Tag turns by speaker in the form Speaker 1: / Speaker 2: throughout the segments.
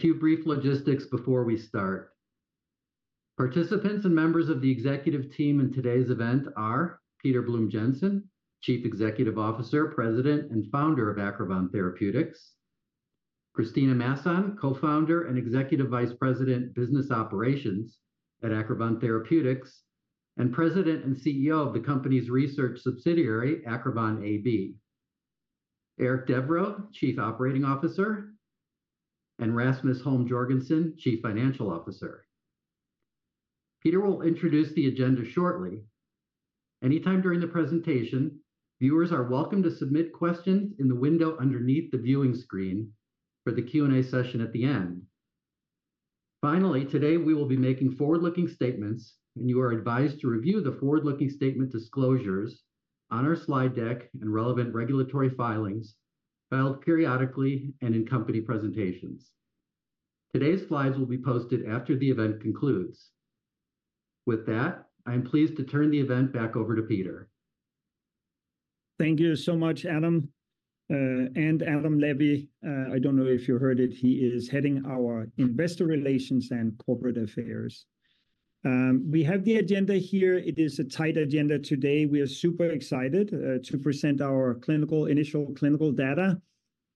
Speaker 1: A few brief logistics before we start. Participants and members of the executive team in today's event are Peter Blume-Jensen, Chief Executive Officer, President and Founder of Acrivon Therapeutics; Kristina Masson, Co-Founder and Executive Vice President, Business Operations at Acrivon Therapeutics and President and CEO of the company's research subsidiary, Acrivon AB; Eric Devroe, Chief Operating Officer; and Rasmus Holm-Jorgensen, Chief Financial Officer. Peter will introduce the agenda shortly. Anytime during the presentation, viewers are welcome to submit questions in the window underneath the viewing screen for the Q&A session at the end. Finally, today we will be making forward-looking statements, and you are advised to review the forward-looking statement disclosures on our slide deck and relevant regulatory filings filed periodically and in company presentations. Today's slides will be posted after the event concludes. With that, I am pleased to turn the event back over to Peter.
Speaker 2: Thank you so much, Adam. Adam Levy, I don't know if you heard it, he is heading our Investor Relations and Corporate Affairs. We have the agenda here. It is a tight agenda today. We are super excited to present our initial clinical data.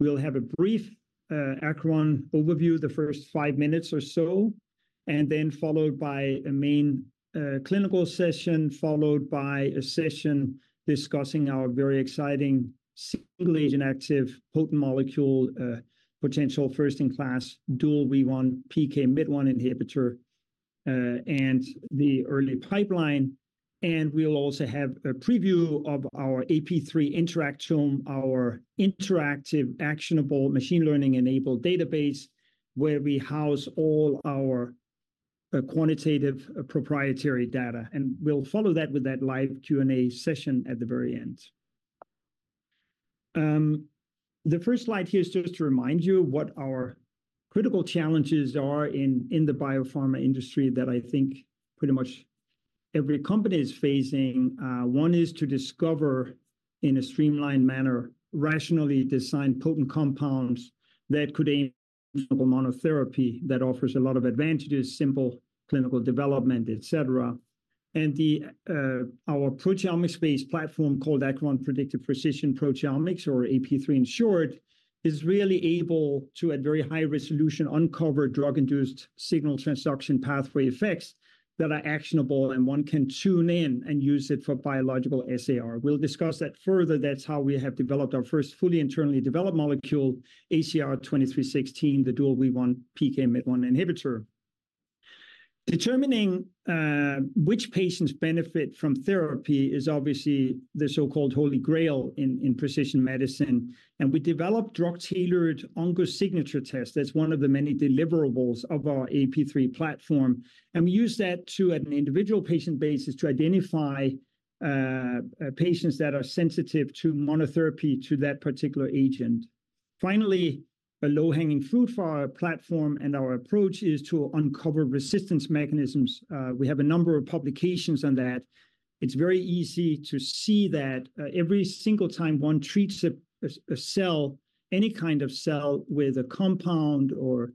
Speaker 2: We'll have a brief Acrivon overview the first 5 minutes or so, and then followed by a main clinical session, followed by a session discussing our very exciting single agent active potential, first-in-class dual WEE1/PKMYT1 inhibitor, and the early pipeline. We'll also have a preview of our AP3 Interactome, our interactive actionable machine learning-enabled database, where we house all our quantitative proprietary data. We'll follow that with that live Q&A session at the very end. The first slide here is just to remind you what our critical challenges are in the biopharma industry that I think pretty much every company is facing. One is to discover in a streamlined manner rationally designed potent compounds that could aim for monotherapy that offers a lot of advantages, simple clinical development, etc. And our proteomics-based platform called Acrivon Predictive Precision Proteomics, or AP3 in short, is really able to, at very high resolution, uncover drug-induced signal transduction pathway effects that are actionable, and one can tune in and use it for biological SAR. We'll discuss that further. That's how we have developed our first fully internally developed molecule, ACR-2316, the dual WEE1/PKMYT1 inhibitor. Determining which patients benefit from therapy is obviously the so-called Holy Grail in precision medicine. And we developed drug-tailored OncoSignature tests. That's one of the many deliverables of our AP3 platform. And we use that too, at an individual patient basis, to identify patients that are sensitive to monotherapy to that particular agent. Finally, a low-hanging fruit for our platform and our approach is to uncover resistance mechanisms. We have a number of publications on that. It's very easy to see that every single time one treats a cell, any kind of cell with a compound or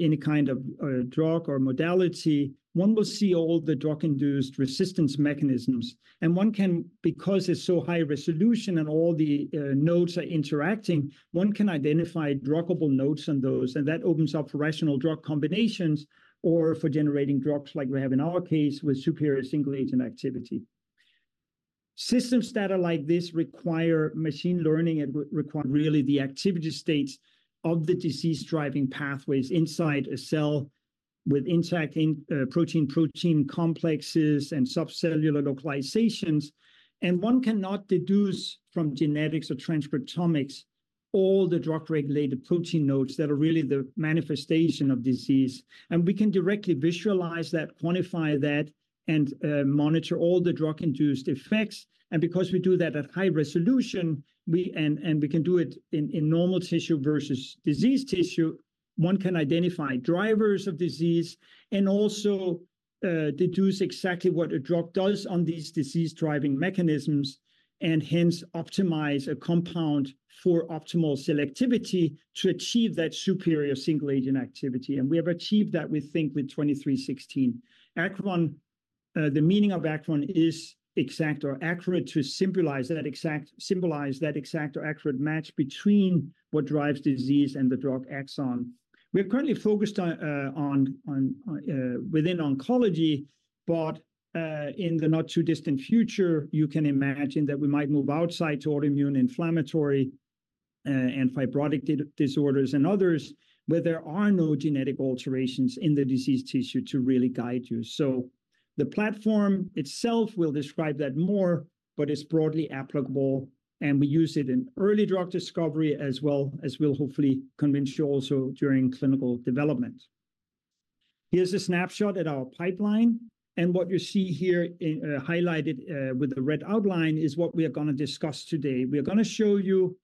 Speaker 2: any kind of drug or modality, one will see all the drug-induced resistance mechanisms. And one can, because it's so high resolution and all the nodes are interacting, one can identify druggable nodes on those, and that opens up for rational drug combinations or for generating drugs, like we have in our case, with superior single agent activity. Systems data like this require machine learning and require really the activity states of the disease-driving pathways inside a cell with intact protein-protein complexes and subcellular localizations. One cannot deduce from genetics or transcriptomics all the drug-regulated protein nodes that are really the manifestation of disease. And we can directly visualize that, quantify that, and monitor all the drug-induced effects. And because we do that at high resolution, we can do it in normal tissue versus disease tissue, one can identify drivers of disease and also deduce exactly what a drug does on these disease-driving mechanisms and hence optimize a compound for optimal selectivity to achieve that superior single agent activity. And we have achieved that, we think, with 2316. Acrivon, the meaning of Acrivon is exact or accurate to symbolize that exact or accurate match between what drives disease and the drug's action. We're currently focused on within oncology, but in the not too distant future, you can imagine that we might move outside to autoimmune inflammatory and fibrotic disorders and others, where there are no genetic alterations in the disease tissue to really guide you. So the platform itself will describe that more, but it's broadly applicable, and we use it in early drug discovery as well as we'll hopefully convince you also during clinical development. Here's a snapshot at our pipeline. What you see here highlighted with the red outline is what we are going to discuss today. We are going to show you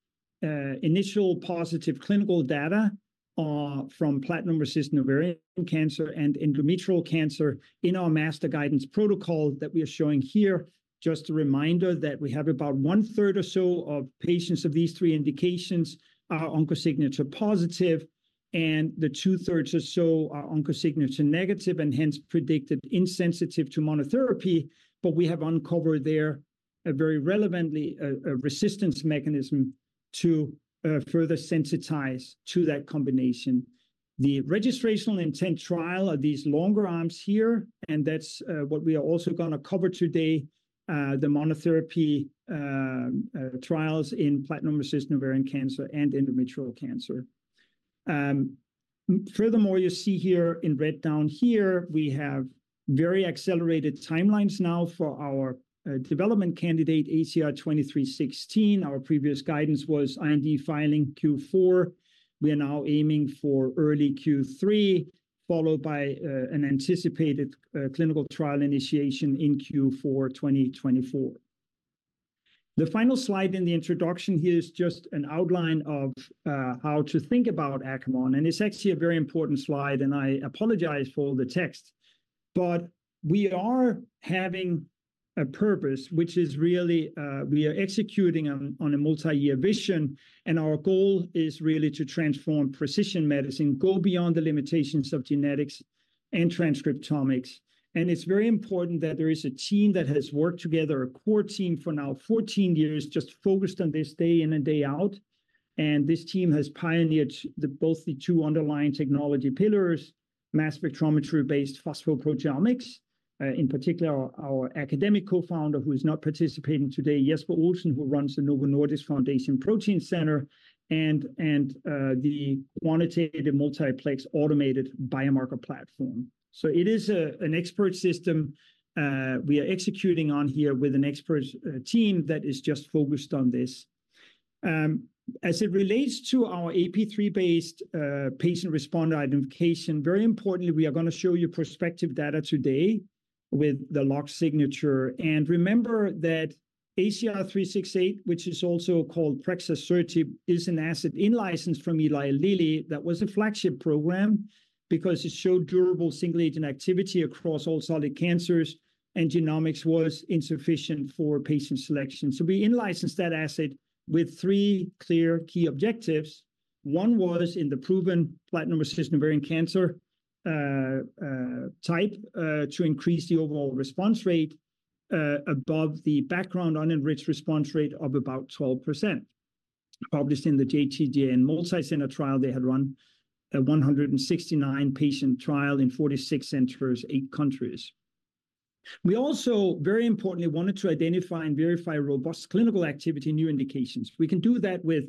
Speaker 2: initial positive clinical data from platinum-resistant ovarian cancer and endometrial cancer in our master guidance protocol that we are showing here. Just a reminder that we have about one-third or so of patients of these three indications are OncoSignature positive, and the two-thirds or so are OncoSignature negative and hence predicted insensitive to monotherapy. But we have uncovered there very relevantly a resistance mechanism to further sensitize to that combination. The registrational intent trial are these longer arms here, and that's what we are also going to cover today, the monotherapy trials in platinum-resistant ovarian cancer and endometrial cancer. Furthermore, you see here in red down here, we have very accelerated timelines now for our development candidate, ACR-2316. Our previous guidance was IND filing Q4. We are now aiming for early Q3, followed by an anticipated clinical trial initiation in Q4, 2024. The final slide in the introduction here is just an outline of how to think about Acrivon, and it's actually a very important slide, and I apologize for all the text. But we are having a purpose, which is really we are executing on a multi-year vision, and our goal is really to transform precision medicine, go beyond the limitations of genetics and transcriptomics. And it's very important that there is a team that has worked together, a core team for now 14 years, just focused on this day in and day out. And this team has pioneered both the two underlying technology pillars: mass spectrometry-based phosphoproteomics, in particular our academic co-founder, who is not participating today, Jesper Olsen, who runs the Novo Nordisk Foundation Protein Center, and the quantitative multiplex automated biomarker platform. So it is an expert system we are executing on here with an expert team that is just focused on this. As it relates to our AP3-based patient responder identification, very importantly, we are going to show you prospective data today with the locked signature. And remember that ACR-368, which is also called prexasertib, is an asset in-licensed from Eli Lilly that was a flagship program because it showed durable single agent activity across all solid cancers, and genomics was insufficient for patient selection. So we in-licensed that asset with three clear key objectives. One was in the proven platinum-resistant ovarian cancer type to increase the overall response rate above the background unenriched response rate of about 12%. Published in the JTJN multi-center trial, they had run a 169-patient trial in 46 centers, 8 countries. We also, very importantly, wanted to identify and verify robust clinical activity new indications. We can do that with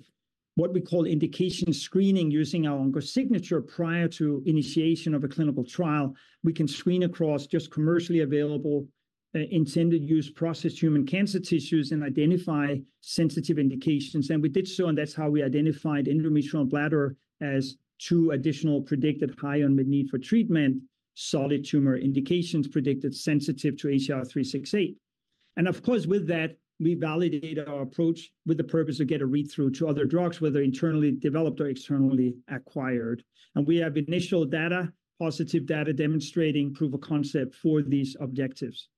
Speaker 2: what we call indication screening using our OncoSignature prior to initiation of a clinical trial. We can screen across just commercially available intended-use processed human cancer tissues and identify sensitive indications. We did so, and that's how we identified endometrial and bladder as two additional predicted high unmet need for treatment solid tumor indications predicted sensitive to ACR-368. Of course, with that, we validated our approach with the purpose of getting a read-through to other drugs, whether internally developed or externally acquired. We have initial data, positive data demonstrating proof of concept for these objectives.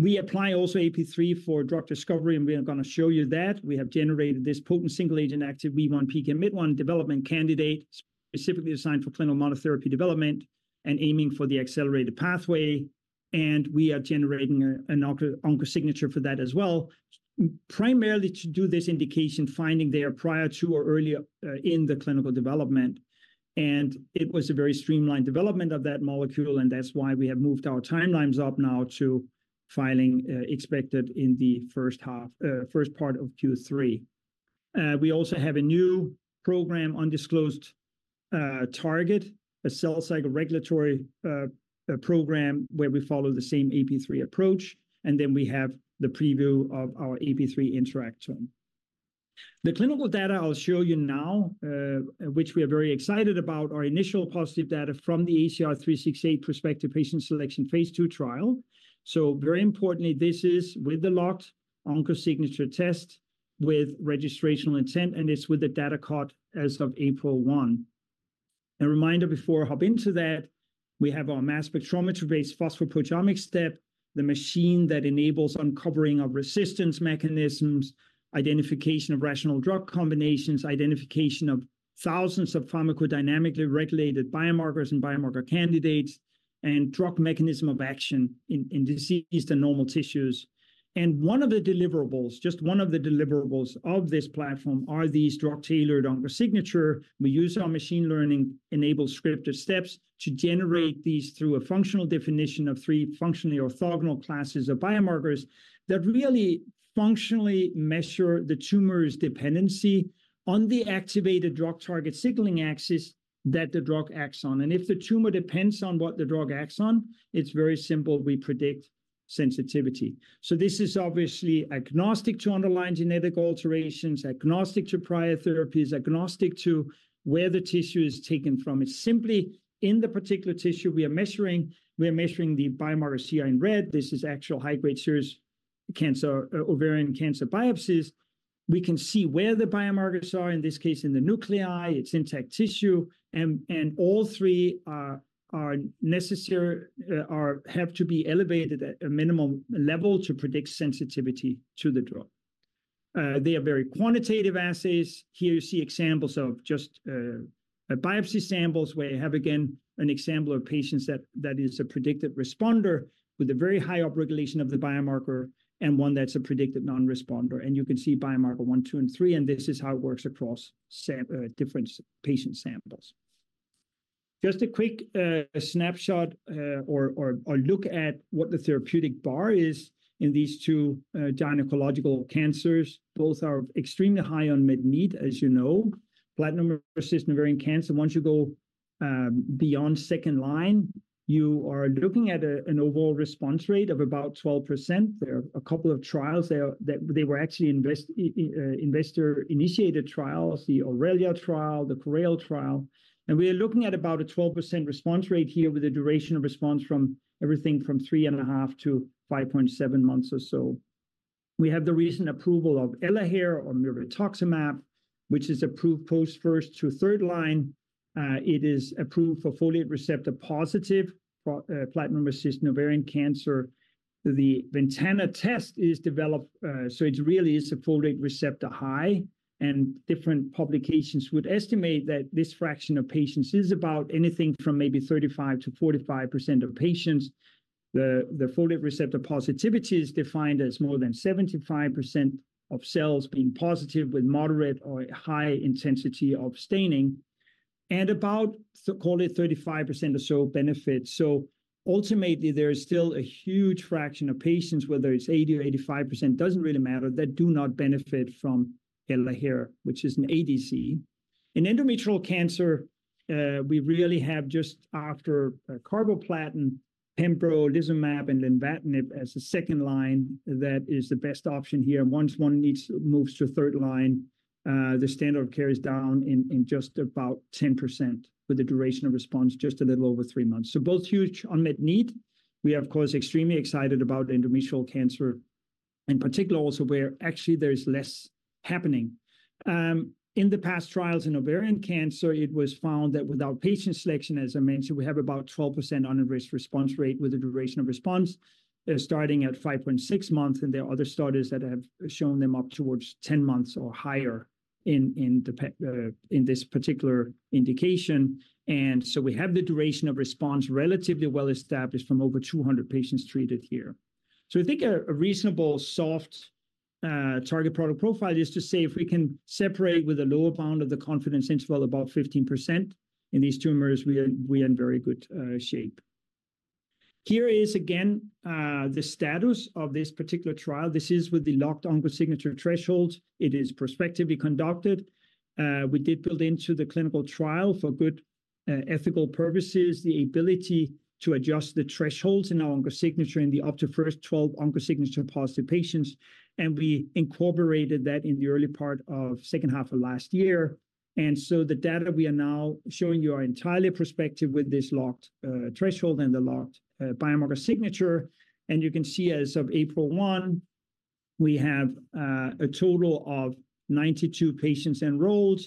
Speaker 2: We apply also AP3 for drug discovery, and we are going to show you that. We have generated this potent single agent active WEE1/PKMYT1 development candidate, specifically designed for clinical monotherapy development and aiming for the accelerated pathway. We are generating an OncoSignature for that as well, primarily to do this indication finding there prior to or earlier in the clinical development. It was a very streamlined development of that molecule, and that's why we have moved our timelines up now to filing expected in the first half, first part of Q3. We also have a new program, undisclosed target, a cell cycle regulatory program where we follow the same AP3 approach, and then we have the preview of our AP3 Interactome. The clinical data I'll show you now, which we are very excited about, are initial positive data from the ACR-368 prospective patient selection phase II trial. Very importantly, this is with the locked OncoSignature test with registrational intent, and it's with the data cut as of April 1. A reminder before I hop into that: we have our mass spectrometry-based phosphoproteomics step, the machine that enables uncovering of resistance mechanisms, identification of rational drug combinations, identification of thousands of pharmacodynamically regulated biomarkers and biomarker candidates, and drug mechanism of action in diseased and normal tissues. One of the deliverables, just one of the deliverables of this platform, are these drug-tailored OncoSignature. We use our machine learning-enabled scripted steps to generate these through a functional definition of three functionally orthogonal classes of biomarkers that really functionally measure the tumor's dependency on the activated drug target signaling axis that the drug acts on. If the tumor depends on what the drug acts on, it's very simple: we predict sensitivity. This is obviously agnostic to underlying genetic alterations, agnostic to prior therapies, agnostic to where the tissue is taken from. It's simply in the particular tissue we are measuring. We are measuring the biomarkers here in red. This is actual high-grade serous cancer, ovarian cancer biopsies. We can see where the biomarkers are, in this case in the nuclei, it's intact tissue, and all three are necessary, have to be elevated at a minimum level to predict sensitivity to the drug. They are very quantitative assays. Here you see examples of just biopsy samples where you have, again, an example of patients that is a predicted responder with a very high upregulation of the biomarker and one that's a predicted non-responder. And you can see biomarker 1, 2, and 3, and this is how it works across different patient samples. Just a quick snapshot or look at what the therapeutic bar is in these two gynecological cancers. Both are extremely high unmet need, as you know, platinum-resistant ovarian cancer. Once you go beyond second line, you are looking at an overall response rate of about 12%. There are a couple of trials there that were actually investor-initiated trials, the AURELIA trial, the CORAIL trial. We are looking at about a 12% response rate here with a duration of response from everything from 3.5-5.7 months or so. We have the recent approval of Elahere or mirvetuximab, which is approved post first to third line. It is approved for folate receptor positive platinum-resistant ovarian cancer. The VENTANA test is developed, so it really is a folate receptor high, and different publications would estimate that this fraction of patients is about anything from maybe 35%-45% of patients. The folate receptor positivity is defined as more than 75% of cells being positive with moderate or high intensity of staining, and about, call it, 35% or so benefit. So ultimately, there is still a huge fraction of patients, whether it's 80% or 85%, doesn't really matter, that do not benefit from Elahere, which is an ADC. In endometrial cancer, we really have just after carboplatin, pembrolizumab, and lenvatinib as a second line that is the best option here. Once one needs to move to third line, the standard of care is down to just about 10% with a duration of response just a little over 3 months. So both huge unmet need. We are, of course, extremely excited about endometrial cancer, in particular also where actually there's less happening. In the past trials in ovarian cancer, it was found that without patient selection, as I mentioned, we have about 12% unenriched response rate with a duration of response starting at 5.6 months, and there are other studies that have shown them up towards 10 months or higher in this particular indication. We have the duration of response relatively well established from over 200 patients treated here. I think a reasonable soft target product profile is to say if we can separate with a lower bound of the confidence interval about 15% in these tumors, we are in very good shape. Here is, again, the status of this particular trial. This is with the logged OncoSignature thresholds. It is prospectively conducted. We did build into the clinical trial for good ethical purposes the ability to adjust the thresholds in our OncoSignature in up to the first 12 OncoSignature positive patients, and we incorporated that in the early part of the second half of last year. So the data we are now showing you are entirely prospective with this locked threshold and the locked biomarker signature. You can see as of April 1, we have a total of 92 patients enrolled,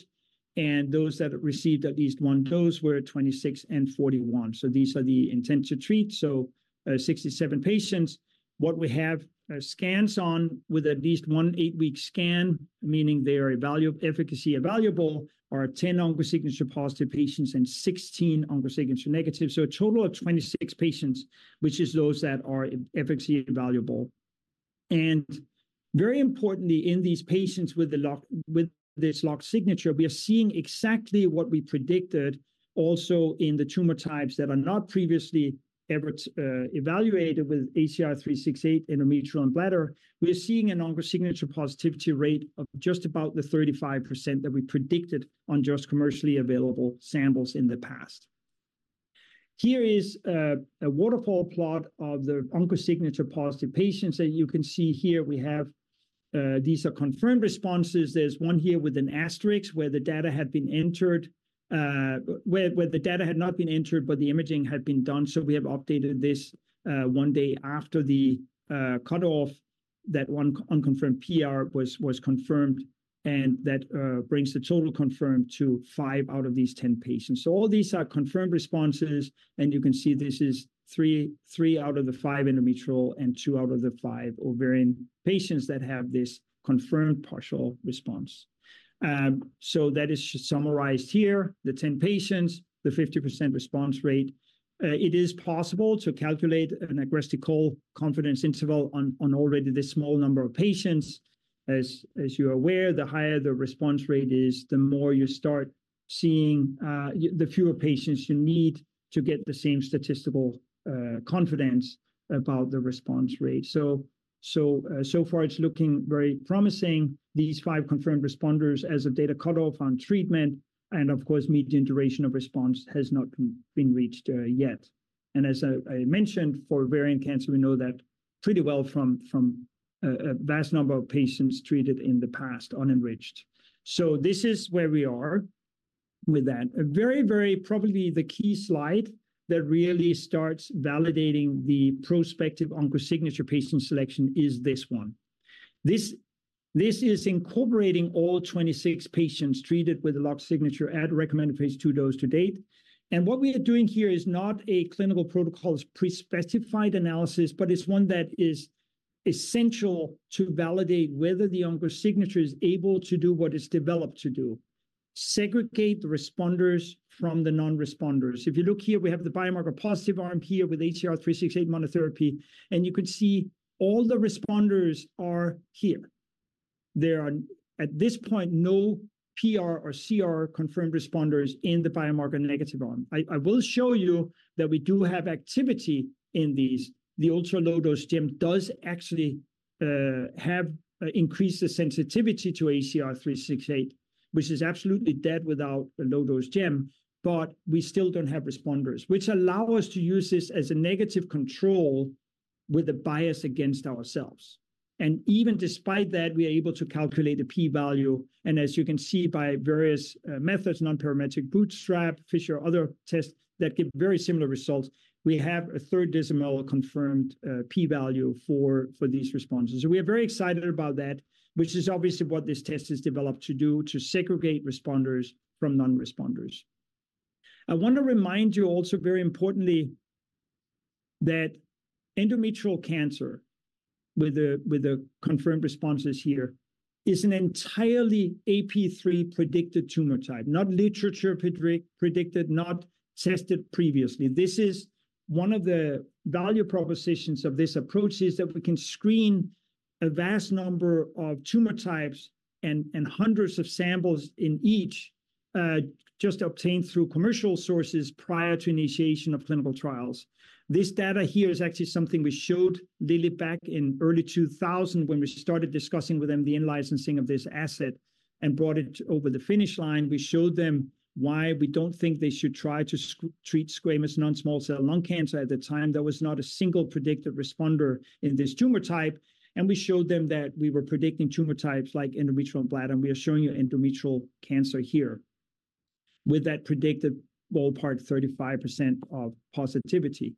Speaker 2: and those that received at least one dose were 26 and 41. So these are the intent to treat, so 67 patients. What we have scans on with at least one 8-week scan, meaning they are efficacy evaluable, are 10 OncoSignature positive patients and 16 OncoSignature negative. A total of 26 patients, which is those that are efficacy evaluable. And very importantly, in these patients with this OncoSignature, we are seeing exactly what we predicted also in the tumor types that are not previously ever evaluated with ACR-368 endometrial and bladder. We are seeing an OncoSignature positivity rate of just about the 35% that we predicted on just commercially available samples in the past. Here is a waterfall plot of the OncoSignature positive patients that you can see here. We have these are confirmed responses. There's one here with an asterisk where the data had been entered, where the data had not been entered, but the imaging had been done. So we have updated this one day after the cutoff, that one unconfirmed PR was confirmed, and that brings the total confirmed to 5 out of these 10 patients. So all these are confirmed responses, and you can see this is 3 out of the 5 endometrial and 2 out of the 5 ovarian patients that have this confirmed partial response. So that is summarized here, the 10 patients, the 50% response rate. It is possible to calculate an aggressive confidence interval on already this small number of patients. As you are aware, the higher the response rate is, the more you start seeing the fewer patients you need to get the same statistical confidence about the response rate. So so far, it's looking very promising, these 5 confirmed responders as of data cutoff on treatment, and of course, median duration of response has not been reached yet. And as I mentioned, for ovarian cancer, we know that pretty well from a vast number of patients treated in the past unenriched. So this is where we are with that. Very, very probably the key slide that really starts validating the prospective OncoSignature patient selection is this one. This is incorporating all 26 patients treated with the OncoSignature at recommended phase II dose to date. What we are doing here is not a clinical protocol's pre-specified analysis, but it's one that is essential to validate whether the OncoSignature is able to do what it's developed to do: segregate the responders from the non-responders. If you look here, we have the biomarker positive arm here with ACR-368 monotherapy, and you can see all the responders are here. There are, at this point, no PR or CR confirmed responders in the biomarker negative arm. I will show you that we do have activity in these. The ultra-low dose gemcitabine does actually have increased the sensitivity to ACR-368, which is absolutely dead without a low dose gemcitabine, but we still don't have responders, which allows us to use this as a negative control with a bias against ourselves. And even despite that, we are able to calculate a p-value, and as you can see by various methods, non-parametric bootstrap, Fisher, other tests that give very similar results, we have a third decimal confirmed p-value for these responses. So we are very excited about that, which is obviously what this test is developed to do, to segregate responders from non-responders. I want to remind you also, very importantly, that endometrial cancer with the confirmed responses here is an entirely AP3 predicted tumor type, not literature predicted, not tested previously. This is one of the value propositions of this approach, is that we can screen a vast number of tumor types and hundreds of samples in each just obtained through commercial sources prior to initiation of clinical trials. This data here is actually something we showed Lilly back in early 2000 when we started discussing with them the in-licensing of this asset and brought it over the finish line. We showed them why we don't think they should try to treat squamous non-small cell lung cancer. At the time, there was not a single predicted responder in this tumor type, and we showed them that we were predicting tumor types like endometrial and bladder, and we are showing you endometrial cancer here with that predicted ballpark 35% of positivity.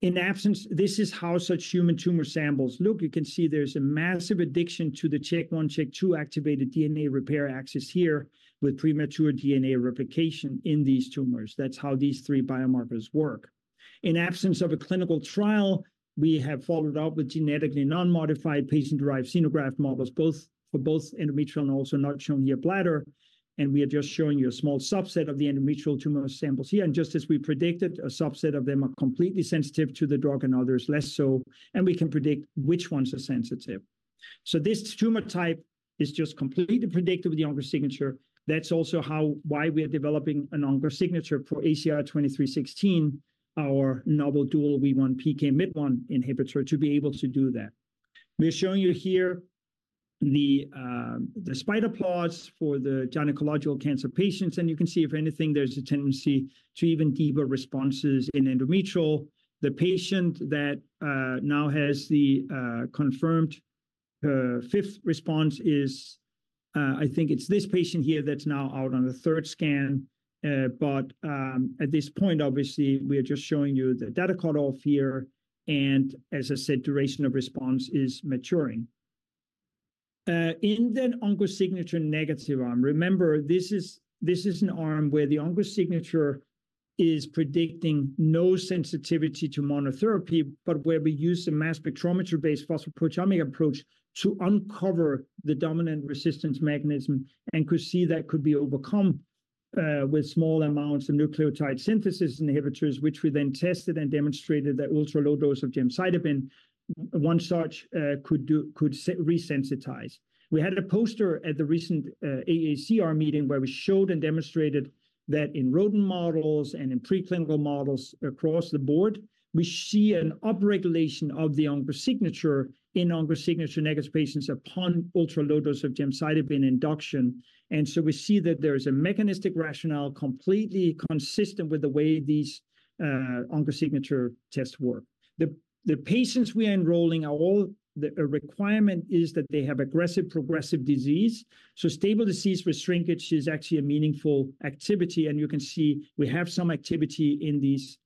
Speaker 2: In absence, this is how such human tumor samples look. You can see there's a massive addiction to the Chk1/Chk2 activated DNA repair axis here with premature DNA replication in these tumors. That's how these three biomarkers work. In absence of a clinical trial, we have followed up with genetically non-modified patient-derived xenograft models, both for both endometrial and also not shown here bladder, and we are just showing you a small subset of the endometrial tumor samples here. And just as we predicted, a subset of them are completely sensitive to the drug and others less so, and we can predict which ones are sensitive. So this tumor type is just completely predictable with the OncoSignature. That's also why we are developing an OncoSignature for ACR-2316, our novel dual WEE1/PKMYT1 inhibitor, to be able to do that. We are showing you here the spider plots for the gynecological cancer patients, and you can see if anything, there's a tendency to even deeper responses in endometrial. The patient that now has the confirmed fifth response is, I think it's this patient here that's now out on the third scan. But at this point, obviously, we are just showing you the data cutoff here, and as I said, duration of response is maturing. In the OncoSignature negative arm, remember, this is an arm where the OncoSignature is predicting no sensitivity to monotherapy, but where we use the mass spectrometry-based phosphoproteomic approach to uncover the dominant resistance mechanism and could see that could be overcome with small amounts of nucleotide synthesis inhibitors, which we then tested and demonstrated that ultra-low dose of gemcitabine, one such, could resensitize. We had a poster at the recent AACR meeting where we showed and demonstrated that in rodent models and in preclinical models across the board, we see an upregulation of the OncoSignature in OncoSignature negative patients upon ultra-low dose of gemcitabine induction. And so we see that there is a mechanistic rationale completely consistent with the way these OncoSignature tests work. The patients we are enrolling are all- the requirement is that they have aggressive progressive disease. So stable disease restaging is actually a meaningful activity, and you can see we have some activity in these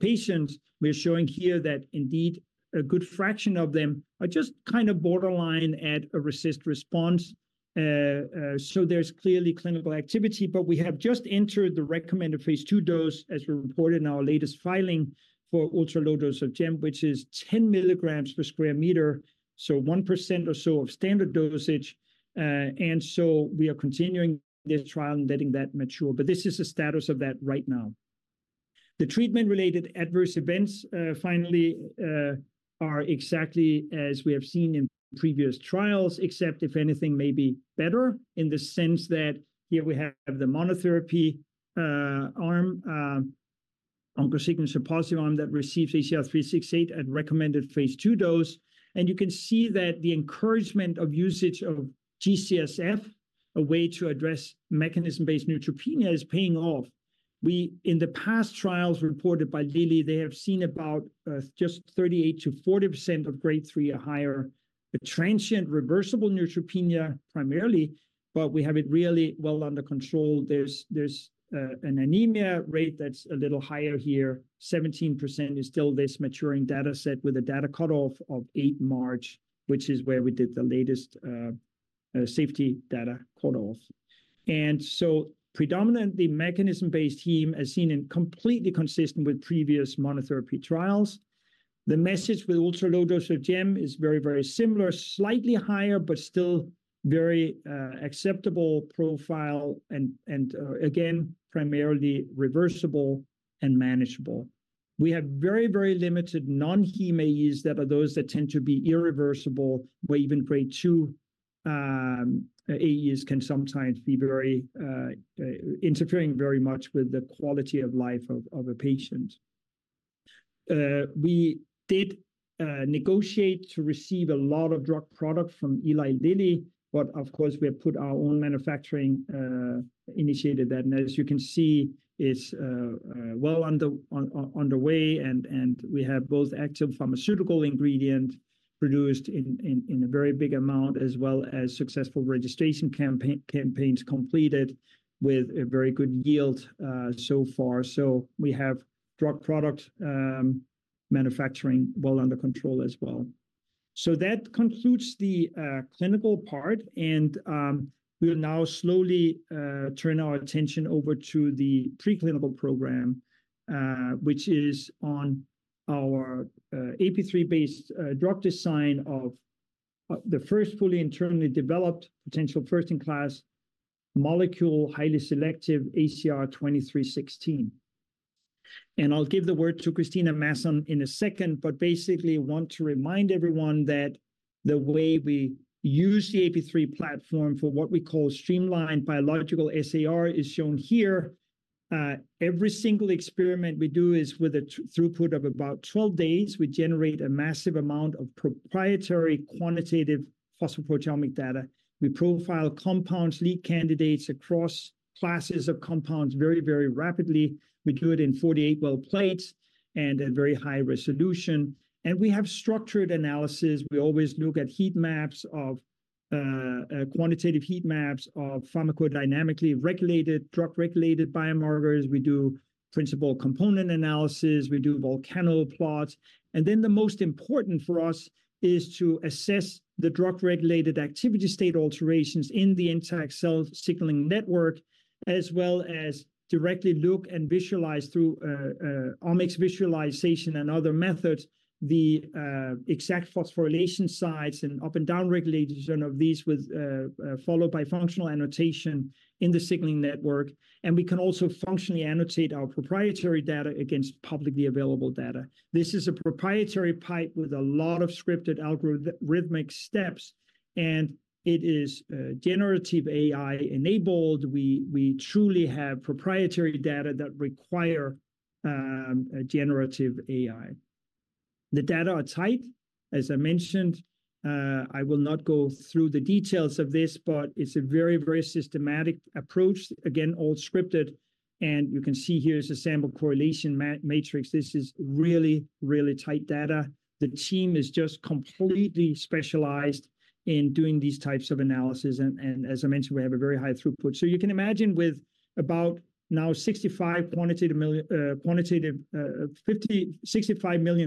Speaker 2: patients. We are showing here that indeed a good fraction of them are just kind of borderline at a resistant response. So there's clearly clinical activity, but we have just entered the recommended phase II dose, as we reported in our latest filing for ultra-low dose of gemcitabine, which is 10 milligrams per square meter, so 1% or so of standard dosage. And so we are continuing this trial and letting that mature, but this is the status of that right now. The treatment-related adverse events, finally, are exactly as we have seen in previous trials, except if anything, maybe better in the sense that here we have the monotherapy arm, OncoSignature-positive arm that receives ACR-368 at recommended phase II dose. And you can see that the encouragement of usage of G-CSF, a way to address mechanism-based neutropenia, is paying off. We, in the past trials reported by Lilly, they have seen about just 38%-40% of grade 3 or higher transient reversible neutropenia primarily, but we have it really well under control. There's an anemia rate that's a little higher here. 17% is still this maturing dataset with a data cutoff of 8 March, which is where we did the latest safety data cutoff. And so predominantly mechanism-based heme as seen and completely consistent with previous monotherapy trials. The message with ultra-low dose of gem is very, very similar, slightly higher, but still very acceptable profile and, again, primarily reversible and manageable. We have very, very limited non-heme AEs that are those that tend to be irreversible, where even grade 2 AEs can sometimes be very interfering very much with the quality of life of a patient. We did negotiate to receive a lot of drug product from Eli Lilly, but of course we have put our own manufacturing initiative that, as you can see, is well underway, and we have both active pharmaceutical ingredients produced in a very big amount as well as successful registration campaigns completed with a very good yield so far. So we have drug product manufacturing well under control as well. So that concludes the clinical part, and we will now slowly turn our attention over to the preclinical program, which is on our AP3-based drug design of the first fully internally developed, potential first-in-class molecule, highly selective ACR-2316. And I'll give the word to Kristina Masson in a second, but basically want to remind everyone that the way we use the AP3 platform for what we call streamlined biological SAR is shown here. Every single experiment we do is with a throughput of about 12 days. We generate a massive amount of proprietary quantitative phosphoproteomic data. We profile compounds, lead candidates across classes of compounds very, very rapidly. We do it in 48-well plates and at very high resolution. We have structured analysis. We always look at heat maps of quantitative heat maps of pharmacodynamically regulated, drug-regulated biomarkers. We do principal component analysis. We do volcano plots. Then the most important for us is to assess the drug-regulated activity state alterations in the intact cell signaling network, as well as directly look and visualize through omics visualization and other methods the exact phosphorylation sites and up and down-regulation of these, followed by functional annotation in the signaling network. We can also functionally annotate our proprietary data against publicly available data. This is a proprietary pipeline with a lot of scripted algorithmic steps, and it is generative AI enabled. We truly have proprietary data that require generative AI. The data are tight. As I mentioned, I will not go through the details of this, but it's a very, very systematic approach, again, all scripted. You can see here is a sample correlation matrix. This is really, really tight data. The team is just completely specialized in doing these types of analyses, and as I mentioned, we have a very high throughput. So you can imagine with about 65 million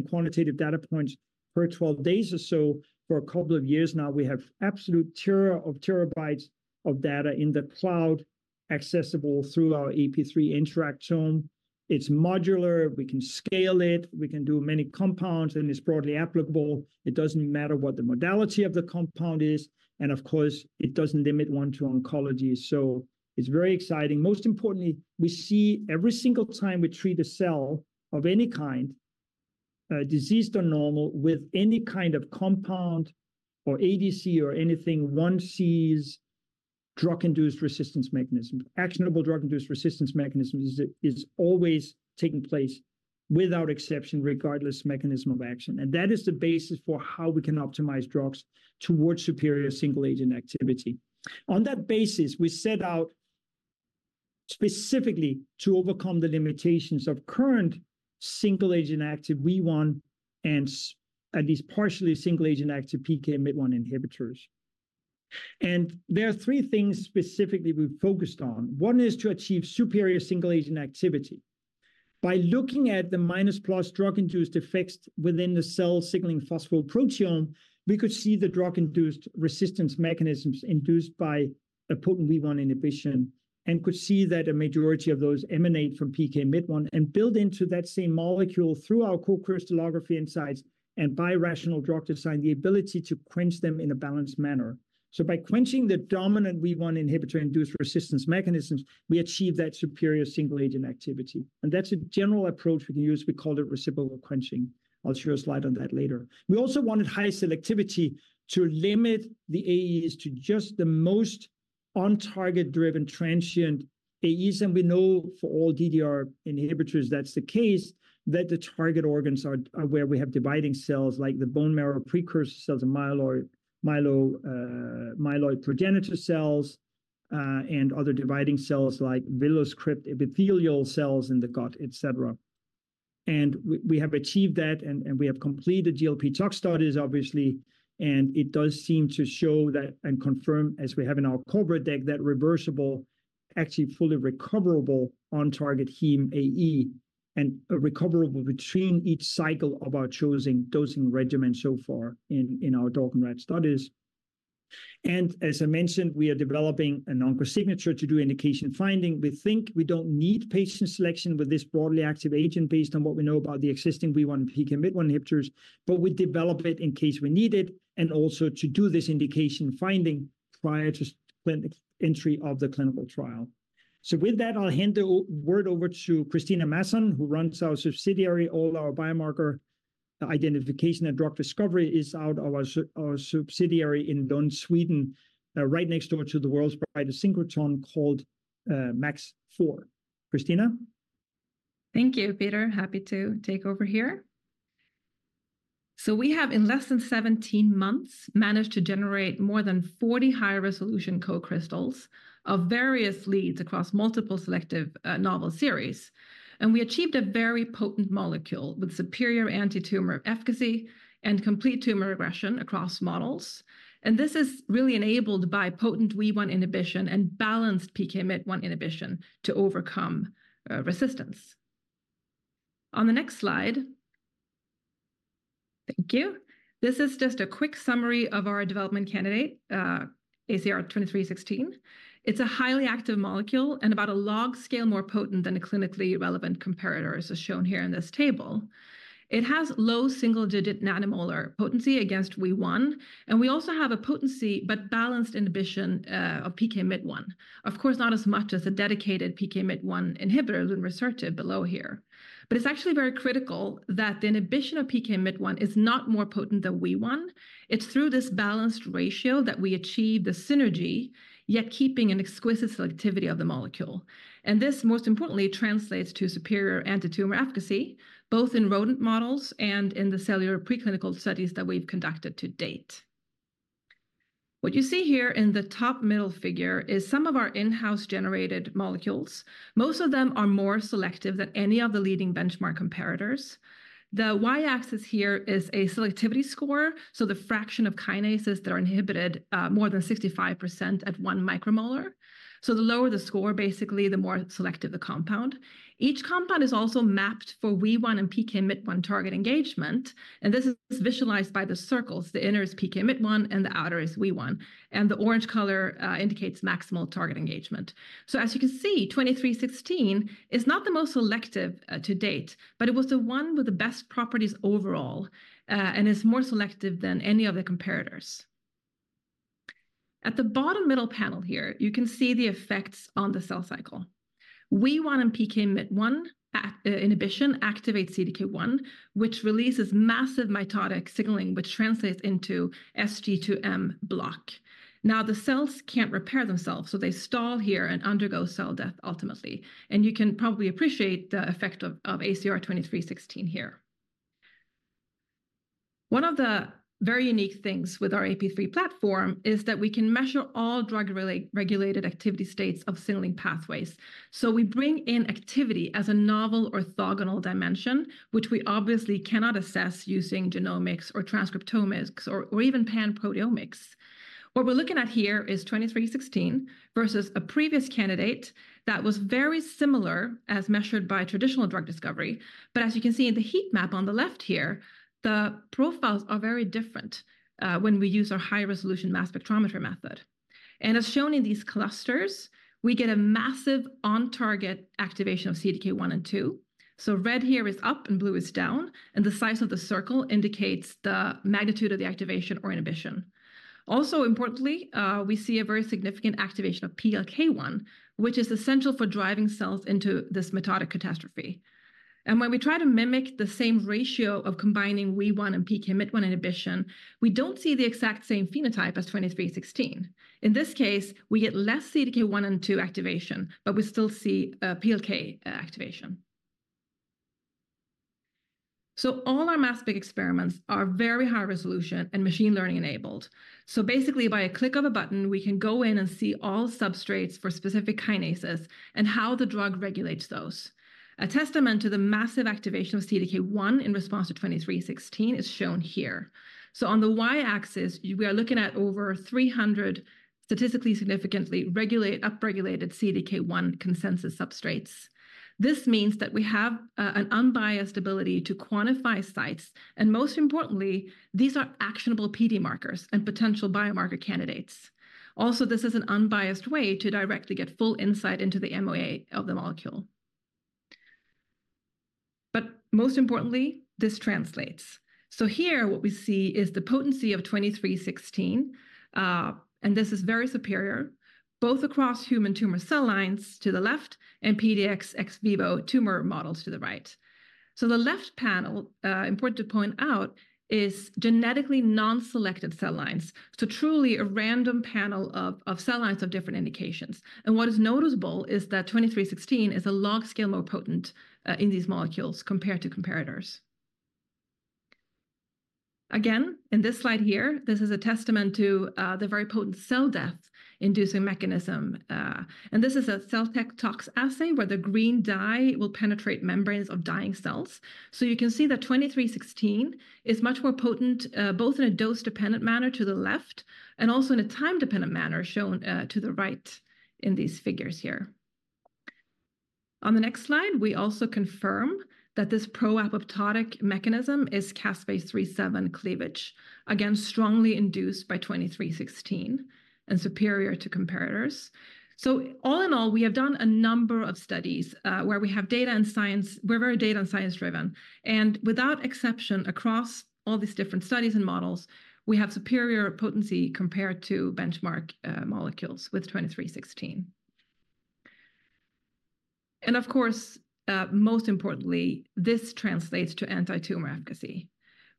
Speaker 2: quantitative data points per 12 days or so for a couple of years now, we have terabytes of data in the cloud accessible through our AP3 Interactome. It's modular. We can scale it. We can do many compounds, and it's broadly applicable. It doesn't matter what the modality of the compound is. Of course, it doesn't limit one to oncology. It's very exciting. Most importantly, we see every single time we treat a cell of any kind, diseased or normal, with any kind of compound or ADC or anything, one sees drug-induced resistance mechanism. Actionable drug-induced resistance mechanism is always taking place without exception, regardless mechanism of action. That is the basis for how we can optimize drugs towards superior single-agent activity. On that basis, we set out specifically to overcome the limitations of current single-agent active WEE1 and at least partially single-agent active PKMYT1 inhibitors. There are three things specifically we focused on. One is to achieve superior single-agent activity. By looking at the minus-plus drug-induced effects within the cell signaling phosphoproteome, we could see the drug-induced resistance mechanisms induced by a potent WEE1 inhibition and could see that a majority of those emanate from PKMYT1 and build into that same molecule through our co-crystallography insights and rational drug design, the ability to quench them in a balanced manner. So by quenching the dominant WEE1 inhibitor-induced resistance mechanisms, we achieve that superior single-agent activity. And that's a general approach we can use. We call it reciprocal quenching. I'll show you a slide on that later. We also wanted high selectivity to limit the AEs to just the most on-target-driven transient AEs. We know for all DDR inhibitors that's the case, that the target organs are where we have dividing cells like the bone marrow precursor cells and myeloid progenitor cells and other dividing cells like villus crypt epithelial cells in the gut, etc. We have achieved that, and we have completed GLP tox studies, obviously, and it does seem to show that and confirm, as we have in our corporate deck, that reversible, actually fully recoverable on-target heme AE and recoverable between each cycle of our chosen dosing regimen so far in our dog and rat studies. As I mentioned, we are developing an OncoSignature to do indication finding. We think we don't need patient selection with this broadly active agent based on what we know about the existing V1 and PKMTY1 inhibitors, but we develop it in case we need it and also to do this indication finding prior to entry of the clinical trial. So with that, I'll hand the word over to Kristina Masson, who runs our subsidiary. All our biomarker identification and drug discovery is out of our subsidiary in Lund, Sweden, right next door to the world's brightest synchrotron called MAX IV. Kristina?
Speaker 3: Thank you, Peter. Happy to take over here. So we have, in less than 17 months, managed to generate more than 40 high-resolution co-crystals of various leads across multiple selective novel series. And we achieved a very potent molecule with superior antitumor efficacy and complete tumor regression across models. This is really enabled by potent V1 inhibition and balanced PKMTY1 inhibition to overcome resistance. On the next slide. Thank you. This is just a quick summary of our development candidate, ACR-2316. It's a highly active molecule and about a log scale more potent than a clinically relevant comparator, as shown here in this table. It has low single-digit nanomolar potency against V1, and we also have a potency but balanced inhibition of PKMTY1. Of course, not as much as a dedicated PKMTY1 inhibitor, lunresertib, below here. But it's actually very critical that the inhibition of PKMTY1 is not more potent than V1. It's through this balanced ratio that we achieve the synergy, yet keeping an exquisite selectivity of the molecule. And this, most importantly, translates to superior antitumor efficacy, both in rodent models and in the cellular preclinical studies that we've conducted to date. What you see here in the top middle figure is some of our in-house generated molecules. Most of them are more selective than any of the leading benchmark comparators. The y-axis here is a selectivity score, so the fraction of kinases that are inhibited more than 65% at 1 micromolar. So the lower the score, basically, the more selective the compound. Each compound is also mapped for WEE1 and PKMYT1 target engagement, and this is visualized by the circles. The inner is PKMYT1 and the outer is WEE1. And the orange color indicates maximal target engagement. So as you can see, 2316 is not the most selective to date, but it was the one with the best properties overall and is more selective than any of the comparators. At the bottom middle panel here, you can see the effects on the cell cycle. WEE1 and PKMYT1 inhibition activate CDK1, which releases massive mitotic signaling, which translates into S/G2/M block. Now, the cells can't repair themselves, so they stall here and undergo cell death ultimately. You can probably appreciate the effect of ACR-2316 here. One of the very unique things with our AP3 platform is that we can measure all drug-regulated activity states of signaling pathways. So we bring in activity as a novel orthogonal dimension, which we obviously cannot assess using genomics or transcriptomics or even panproteomics. What we're looking at here is 2316 versus a previous candidate that was very similar as measured by traditional drug discovery. But as you can see in the heat map on the left here, the profiles are very different when we use our high-resolution mass spectrometer method. As shown in these clusters, we get a massive on-target activation of CDK1 and 2. So red here is up and blue is down, and the size of the circle indicates the magnitude of the activation or inhibition. Also importantly, we see a very significant activation of PLK1, which is essential for driving cells into this mitotic catastrophe. And when we try to mimic the same ratio of combining V1 and PKMTY1 inhibition, we don't see the exact same phenotype as 2316. In this case, we get less CDK1 and 2 activation, but we still see PLK activation. So all our mass spec experiments are very high resolution and machine learning enabled. So basically, by a click of a button, we can go in and see all substrates for specific kinases and how the drug regulates those. A testament to the massive activation of CDK1 in response to 2316 is shown here. So on the y-axis, we are looking at over 300 statistically significantly upregulated CDK1 consensus substrates. This means that we have an unbiased ability to quantify sites, and most importantly, these are actionable PD markers and potential biomarker candidates. Also, this is an unbiased way to directly get full insight into the MOA of the molecule. But most importantly, this translates. So here what we see is the potency of 2316, and this is very superior, both across human tumor cell lines to the left and PDX ex-vivo tumor models to the right. So the left panel, important to point out, is genetically non-selected cell lines, so truly a random panel of cell lines of different indications. And what is noticeable is that 2316 is a log scale more potent in these molecules compared to comparators. Again, in this slide here, this is a testament to the very potent cell death inducing mechanism. And this is a cell tech tox assay where the green dye will penetrate membranes of dying cells. So you can see that 2316 is much more potent both in a dose-dependent manner to the left and also in a time-dependent manner shown to the right in these figures here. On the next slide, we also confirm that this pro-apoptotic mechanism is caspase 3-7 cleavage, again, strongly induced by 2316 and superior to comparators. So all in all, we have done a number of studies where we have data and science we're very data and science-driven. And without exception, across all these different studies and models, we have superior potency compared to benchmark molecules with 2316. And of course, most importantly, this translates to antitumor efficacy.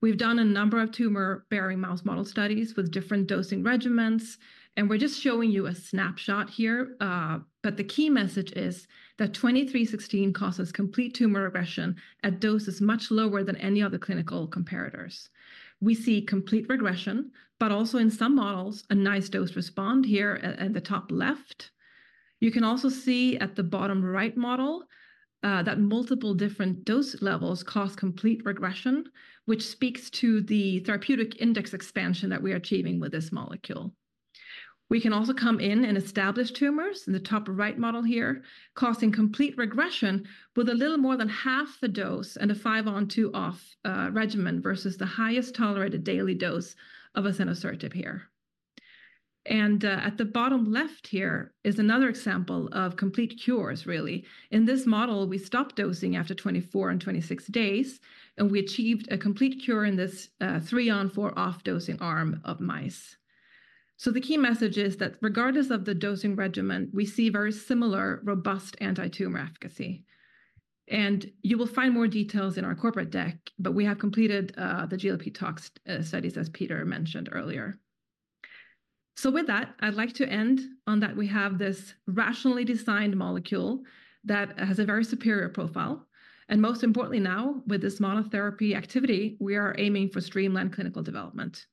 Speaker 3: We've done a number of tumor-bearing mouse model studies with different dosing regimens, and we're just showing you a snapshot here. But the key message is that 2316 causes complete tumor regression at doses much lower than any other clinical comparators. We see complete regression, but also in some models, a nice dose response here in the top left. You can also see at the bottom right model that multiple different dose levels cause complete regression, which speaks to the therapeutic index expansion that we are achieving with this molecule. We can also come in and establish tumors in the top right model here, causing complete regression with a little more than half the dose and a 5-on-2-off regimen versus the highest tolerated daily dose of adavosertib here. And at the bottom left here is another example of complete cures, really. In this model, we stopped dosing after 24 and 26 days, and we achieved a complete cure in this 3-on-4-off dosing arm of mice. So the key message is that regardless of the dosing regimen, we see very similar robust antitumor efficacy. You will find more details in our corporate deck, but we have completed the GLP tox studies, as Peter mentioned earlier. So with that, I'd like to end on that we have this rationally designed molecule that has a very superior profile. And most importantly now, with this monotherapy activity, we are aiming for streamlined clinical development.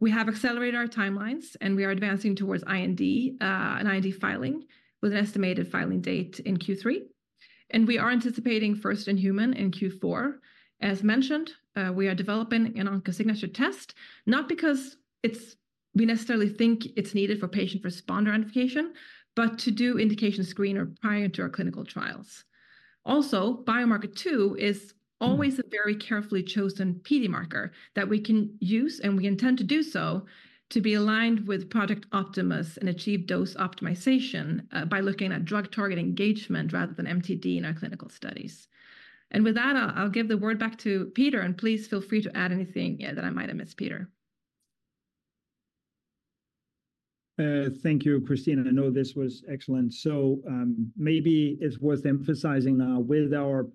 Speaker 3: We have accelerated our timelines, and we are advancing towards IND and IND filing with an estimated filing date in Q3. And we are anticipating first in human in Q4. As mentioned, we are developing an OncoSignature test, not because we necessarily think it's needed for patient responder identification, but to do indication screener prior to our clinical trials. Also, Biomarker 2 is always a very carefully chosen PD marker that we can use, and we intend to do so, to be aligned with Project Optimus and achieve dose optimization by looking at drug-target engagement rather than MTD in our clinical studies. And with that, I'll give the word back to Peter, and please feel free to add anything that I might have missed, Peter.
Speaker 2: Thank you, Kristina. I know this was excellent. So maybe it's worth emphasizing now with our,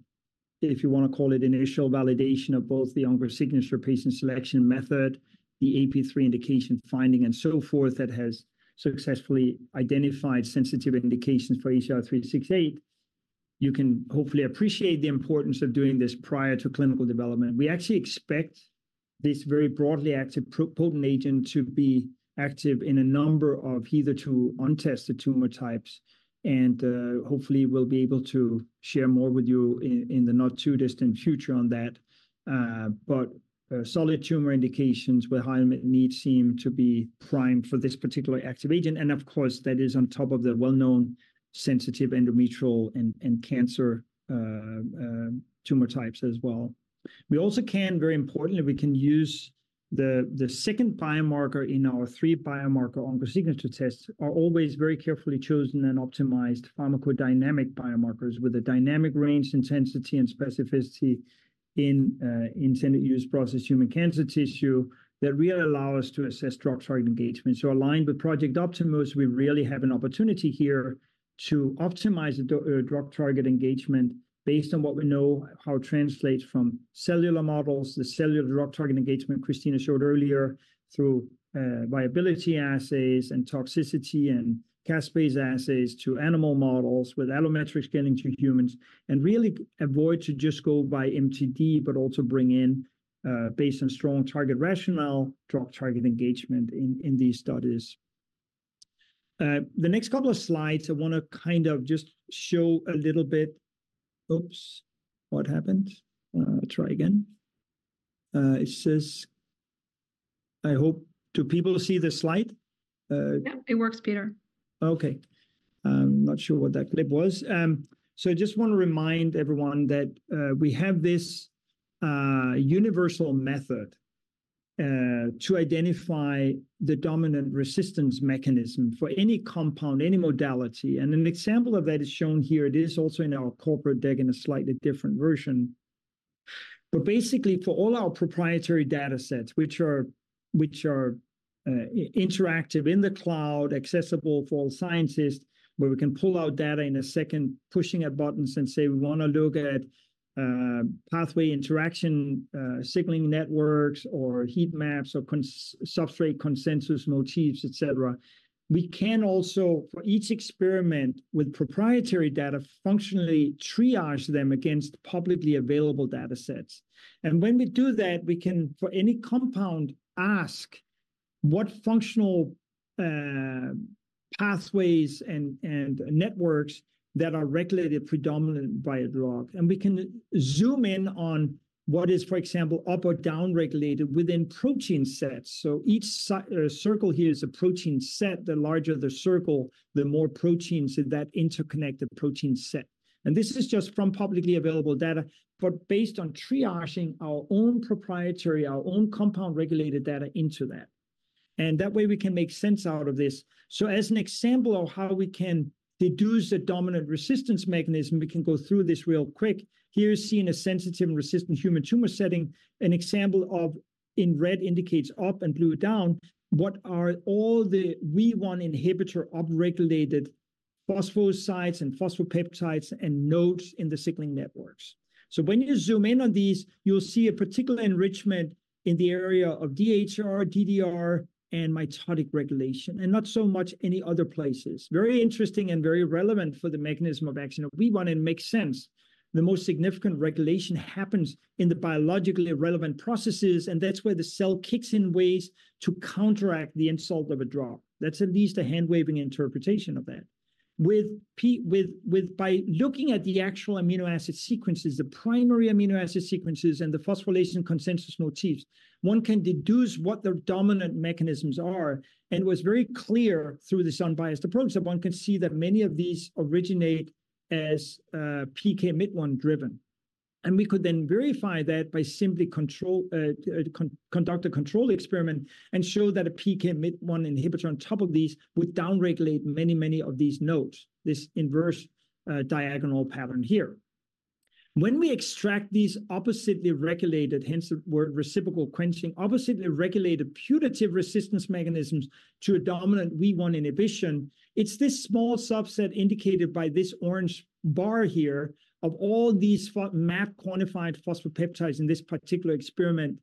Speaker 2: if you want to call it initial validation of both the OncoSignature patient selection method, the AP3 indication finding, and so forth that has successfully identified sensitive indications for ACR-368, you can hopefully appreciate the importance of doing this prior to clinical development. We actually expect this very broadly active potent agent to be active in a number of either two untested tumor types, and hopefully we'll be able to share more with you in the not too distant future on that. But solid tumor indications with high need seem to be primed for this particular active agent. And of course, that is on top of the well-known sensitive endometrial and cancer tumor types as well. We also can, very importantly, we can use the second biomarker in our three biomarker OncoSignature tests are always very carefully chosen and optimized pharmacodynamic biomarkers with a dynamic range, intensity, and specificity in intended use process human cancer tissue that really allow us to assess drug-target engagement. So aligned with Project Optimus, we really have an opportunity here to optimize drug-target engagement based on what we know how translates from cellular models, the cellular drug-target engagement Kristina showed earlier, through viability assays and toxicity and caspase assays to animal models with allometric scaling to humans, and really avoid to just go by MTD, but also bring in based on strong target rationale, drug-target engagement in these studies. The next couple of slides, I want to kind of just show a little bit. Oops, what happened? Try again. It says, I hope people see the slide?
Speaker 3: Yeah, it works, Peter.
Speaker 2: Okay. I'm not sure what that clip was. So I just want to remind everyone that we have this universal method to identify the dominant resistance mechanism for any compound, any modality. And an example of that is shown here. It is also in our corporate deck in a slightly different version. But basically, for all our proprietary data sets, which are interactive in the cloud, accessible for all scientists, where we can pull out data in a second, pushing at buttons and say we want to look at pathway interaction signaling networks or heat maps or substrate consensus motifs, etc. We can also, for each experiment with proprietary data, functionally triage them against publicly available data sets. And when we do that, we can, for any compound, ask what functional pathways and networks that are regulated predominantly by a drug. We can zoom in on what is, for example, up or down regulated within protein sets. Each circle here is a protein set. The larger the circle, the more proteins in that interconnected protein set. This is just from publicly available data, but based on triaging our own proprietary, our own compound-regulated data into that. That way we can make sense out of this. As an example of how we can deduce the dominant resistance mechanism, we can go through this real quick. Here you see, in a sensitive and resistant human tumor setting, an example of—in red indicates up and blue down—what are all the V1 inhibitor up-regulated phosphosites and phosphopeptides and nodes in the signaling networks. So when you zoom in on these, you'll see a particular enrichment in the area of DHR, DDR, and mitotic regulation, and not so much any other places. Very interesting and very relevant for the mechanism of action of V1 and makes sense. The most significant regulation happens in the biologically relevant processes, and that's where the cell kicks in ways to counteract the insult of a drug. That's at least a hand-waving interpretation of that. By looking at the actual amino acid sequences, the primary amino acid sequences, and the phosphorylation consensus motifs, one can deduce what their dominant mechanisms are. And it was very clear through this unbiased approach that one can see that many of these originate as PKMYT1 driven. We could then verify that by simply conduct a control experiment and show that a PKMYT1 inhibitor on top of these would down-regulate many, many of these nodes, this inverse diagonal pattern here. When we extract these oppositely regulated, hence the word reciprocal quenching, oppositely regulated putative resistance mechanisms to a dominant WEE1 inhibition, it's this small subset indicated by this orange bar here of all these mapped quantified phosphopeptides in this particular experiment,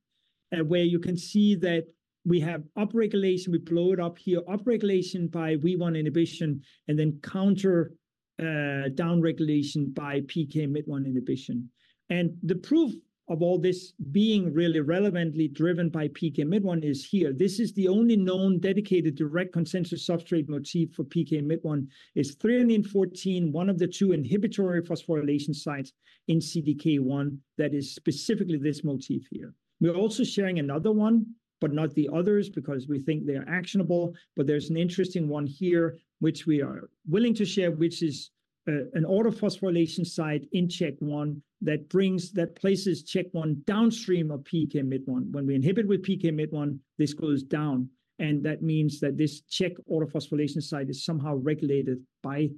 Speaker 2: where you can see that we have up-regulation, we blow it up here, up-regulation by WEE1 inhibition, and then counter down-regulation by PKMYT1 inhibition. The proof of all this being really relevantly driven by PKMYT1 is here. This is the only known dedicated direct consensus substrate motif for PKMYT1, threonine-14, one of the two inhibitory phosphorylation sites in CDK1 that is specifically this motif here. We're also sharing another one, but not the others because we think they are actionable. But there's an interesting one here which we are willing to share, which is an autophosphorylation site in Chk1 that brings that places Chk1 downstream of PKMYT1. When we inhibit with PKMYT1, this goes down. And that means that this Chk autophosphorylation site is somehow regulated by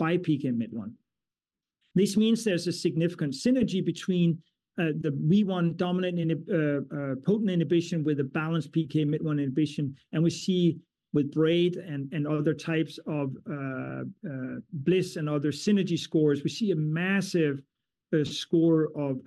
Speaker 2: PKMYT1. This means there's a significant synergy between the WEE1 dominant potent inhibition with a balanced PKMYT1 inhibition. And we see with BRAID and other types of Bliss and other synergy scores, we see a massive score of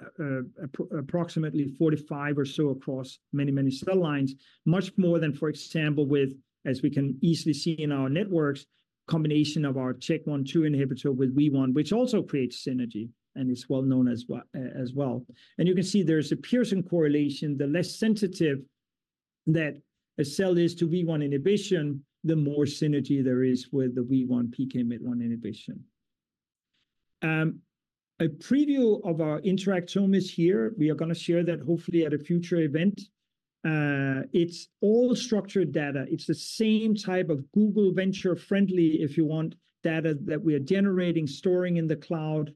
Speaker 2: approximately 45 or so across many, many cell lines, much more than, for example, with, as we can easily see in our networks, a combination of our Chk1/2 inhibitor with WEE1, which also creates synergy and is well-known as well. And you can see there's a Pearson correlation. The less sensitive that a cell is to WEE1 inhibition, the more synergy there is with the WEE1/PKMYT1 inhibition. A preview of our interactomes here. We are going to share that hopefully at a future event. It's all structured data. It's the same type of Google Venture-friendly, if you want, data that we are generating, storing in the cloud.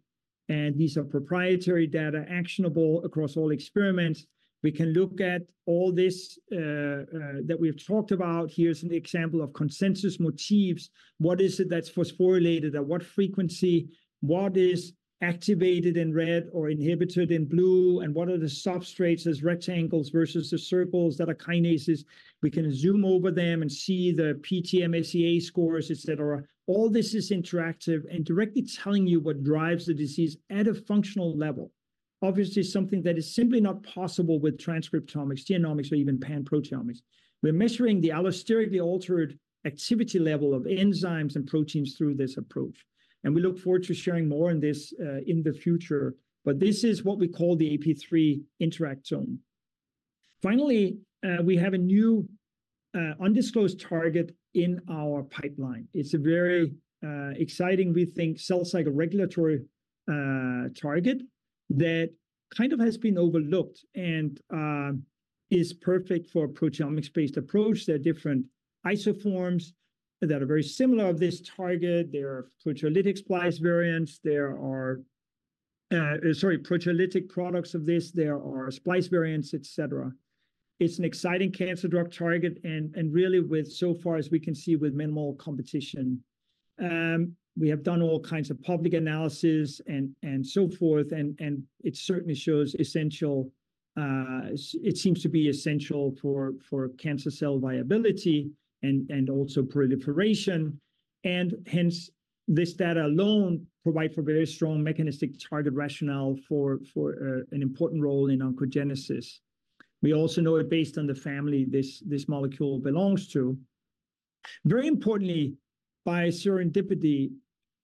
Speaker 2: And these are proprietary data, actionable across all experiments. We can look at all this that we have talked about. Here's an example of consensus motifs. What is it that's phosphorylated at what frequency? What is activated in red or inhibited in blue? And what are the substrates as rectangles versus the circles that are kinases? We can zoom over them and see the PTM-SEA scores, etc. All this is interactive and directly telling you what drives the disease at a functional level. Obviously, something that is simply not possible with transcriptomics, genomics, or even panproteomics. We're measuring the allosterically altered activity level of enzymes and proteins through this approach. We look forward to sharing more in this in the future. This is what we call the AP3 Interactome. Finally, we have a new undisclosed target in our pipeline. It's a very exciting, we think, cell cycle regulatory target that kind of has been overlooked and is perfect for a proteomics-based approach. There are different isoforms that are very similar of this target. There are proteolytic splice variants. There are, sorry, proteolytic products of this. There are splice variants, etc. It's an exciting cancer drug target and really with, so far as we can see, with minimal competition. We have done all kinds of public analysis and so forth, and it certainly shows essential, it seems to be essential, for cancer cell viability and also proliferation. Hence, this data alone provides for very strong mechanistic target rationale for an important role in oncogenesis. We also know it based on the family this molecule belongs to. Very importantly, by serendipity,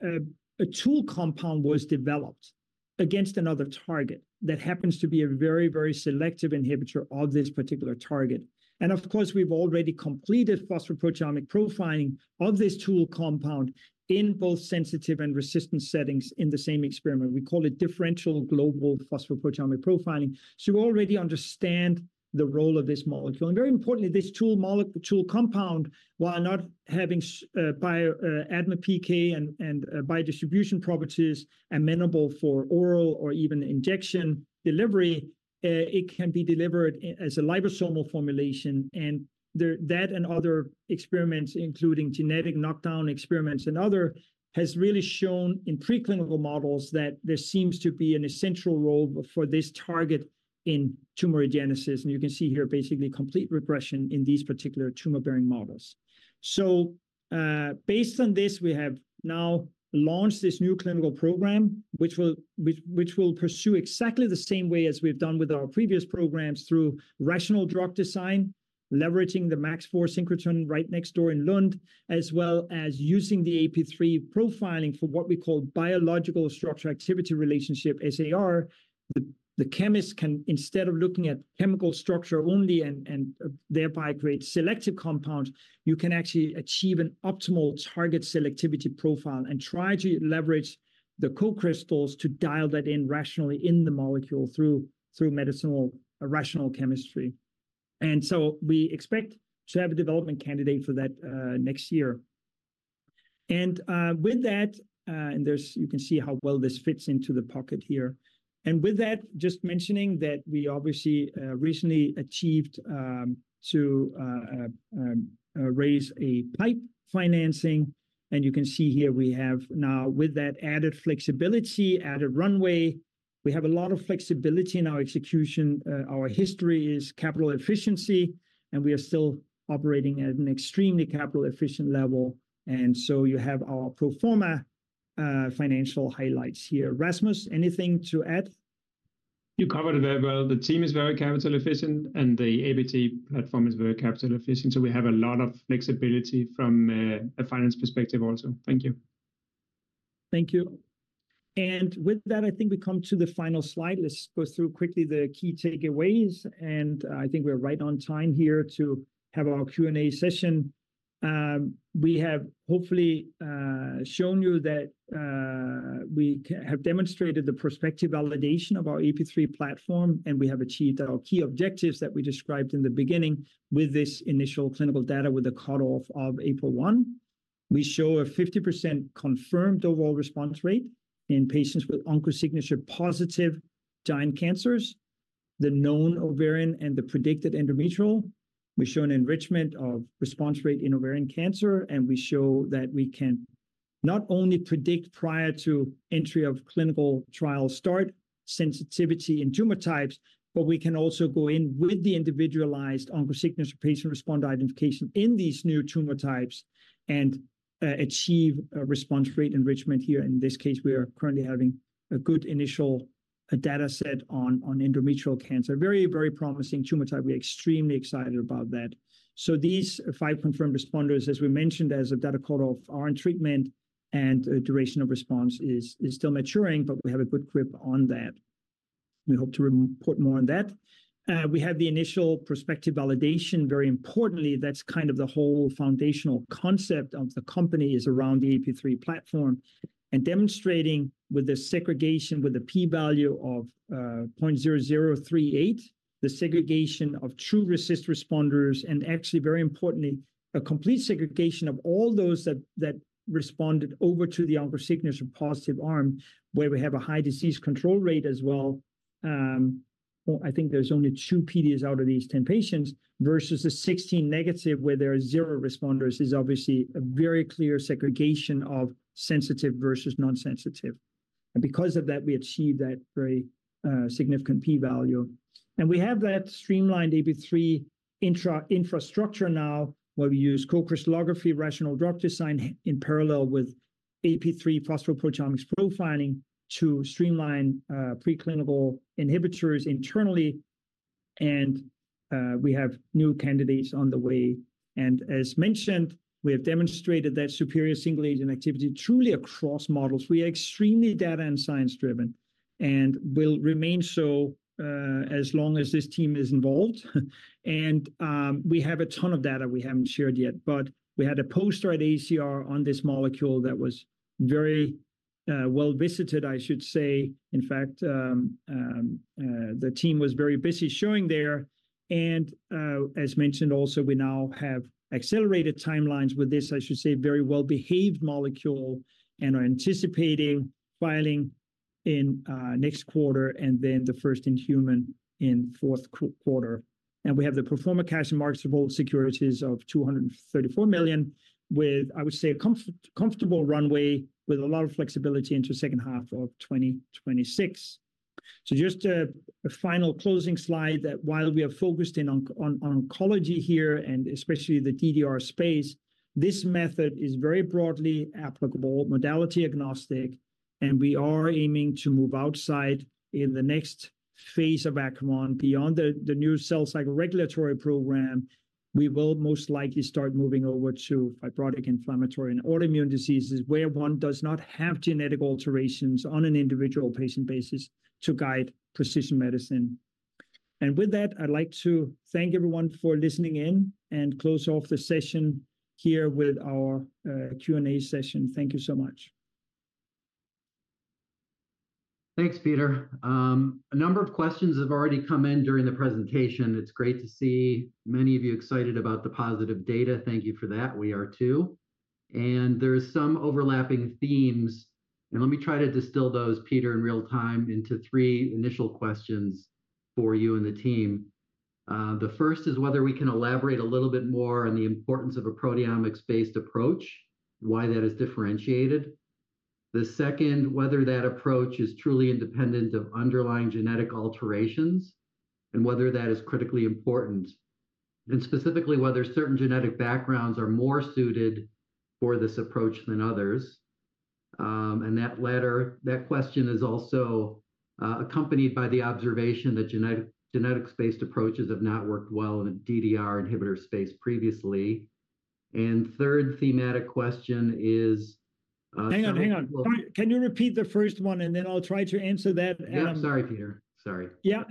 Speaker 2: a tool compound was developed against another target that happens to be a very, very selective inhibitor of this particular target. And of course, we've already completed phosphoproteomic profiling of this tool compound in both sensitive and resistant settings in the same experiment. We call it differential global phosphoproteomic profiling. So we already understand the role of this molecule. And very importantly, this tool compound, while not having biodistribution PK and biodistribution properties amenable for oral or even injection delivery, it can be delivered as a liposomal formulation. That and other experiments, including genetic knockdown experiments and other, has really shown in preclinical models that there seems to be an essential role for this target in tumorigenesis. You can see here basically complete regression in these particular tumor-bearing models. Based on this, we have now launched this new clinical program, which will pursue exactly the same way as we've done with our previous programs through rational drug design, leveraging the MAX IV synchrotron right next door in Lund, as well as using the AP3 profiling for what we call biological structure-activity relationship, SAR. The chemists can, instead of looking at chemical structure only and thereby create selective compounds, you can actually achieve an optimal target selectivity profile and try to leverage the co-crystals to dial that in rationally in the molecule through medicinal rational chemistry. And so we expect to have a development candidate for that next year. And with that, and there you can see how well this fits into the pocket here. And with that, just mentioning that we obviously recently achieved to raise a PIPE financing. And you can see here we have now with that added flexibility, added runway, we have a lot of flexibility in our execution. Our history is capital efficiency, and we are still operating at an extremely capital-efficient level. And so you have our pro forma financial highlights here. Rasmus, anything to add?
Speaker 4: You covered it very well. The team is very capital-efficient, and the AP3 platform is very capital-efficient. So we have a lot of flexibility from a finance perspective also. Thank you.
Speaker 2: Thank you. And with that, I think we come to the final slide. Let's go through quickly the key takeaways. I think we're right on time here to have our Q&A session. We have hopefully shown you that we have demonstrated the prospective validation of our AP3 platform, and we have achieved our key objectives that we described in the beginning with this initial clinical data with a cutoff of April 1. We show a 50% confirmed overall response rate in patients with OncoSignature-positive gynecologic cancers, the known ovarian and the predicted endometrial. We show an enrichment of response rate in ovarian cancer, and we show that we can not only predict prior to entry of clinical trial start sensitivity in tumor types, but we can also go in with the individualized OncoSignature patient response identification in these new tumor types and achieve response rate enrichment here. In this case, we are currently having a good initial data set on endometrial cancer, a very, very promising tumor type. We're extremely excited about that. So these 5 confirmed responders, as we mentioned, as a data cutoff are in treatment, and duration of response is still maturing, but we have a good grip on that. We hope to report more on that. We have the initial prospective validation. Very importantly, that's kind of the whole foundational concept of the company is around the AP3 platform and demonstrating with the segregation with the p-value of 0.0038, the segregation of true resist responders, and actually, very importantly, a complete segregation of all those that responded over to the OncoSignature-positive arm, where we have a high disease control rate as well. I think there's only 2 PDs out of these 10 patients versus the 16 negative where there are 0 responders is obviously a very clear segregation of sensitive versus nonsensitive. And because of that, we achieved that very significant p-value. And we have that streamlined AP3 infrastructure now where we use co-crystallography, rational drug design in parallel with AP3 phosphoproteomics profiling to streamline preclinical inhibitors internally. And we have new candidates on the way. And as mentioned, we have demonstrated that superior single-agent activity truly across models. We are extremely data and science-driven and will remain so as long as this team is involved. And we have a ton of data we haven't shared yet, but we had a poster at AACR on this molecule that was very well-visited, I should say. In fact, the team was very busy showing there. And as mentioned also, we now have accelerated timelines with this, I should say, very well-behaved molecule and are anticipating filing in next quarter and then the first-in-human in fourth quarter. We have the pro forma cash and marketable securities of $234 million with, I would say, a comfortable runway with a lot of flexibility into second half of 2026. Just a final closing slide that while we are focused in oncology here and especially the DDR space, this method is very broadly applicable, modality agnostic. We are aiming to move outside in the next phase of Acrivon. Beyond the new cell cycle regulatory program, we will most likely start moving over to fibrotic inflammatory and autoimmune diseases where one does not have genetic alterations on an individual patient basis to guide precision medicine. With that, I'd like to thank everyone for listening in and close off the session here with our Q&A session. Thank you so much.
Speaker 1: Thanks, Peter. A number of questions have already come in during the presentation. It's great to see many of you excited about the positive data. Thank you for that. We are too. There are some overlapping themes. Let me try to distill those, Peter, in real time into three initial questions for you and the team. The first is whether we can elaborate a little bit more on the importance of a proteomics-based approach, why that is differentiated. The second, whether that approach is truly independent of underlying genetic alterations and whether that is critically important. And specifically, whether certain genetic backgrounds are more suited for this approach than others. And that question is also accompanied by the observation that genetics-based approaches have not worked well in the DDR inhibitor space previously. And third thematic question is.
Speaker 2: Hang on, hang on. Can you repeat the first one, and then I'll try to answer that?
Speaker 1: Yeah, sorry, Peter. Sorry.
Speaker 2: Yeah.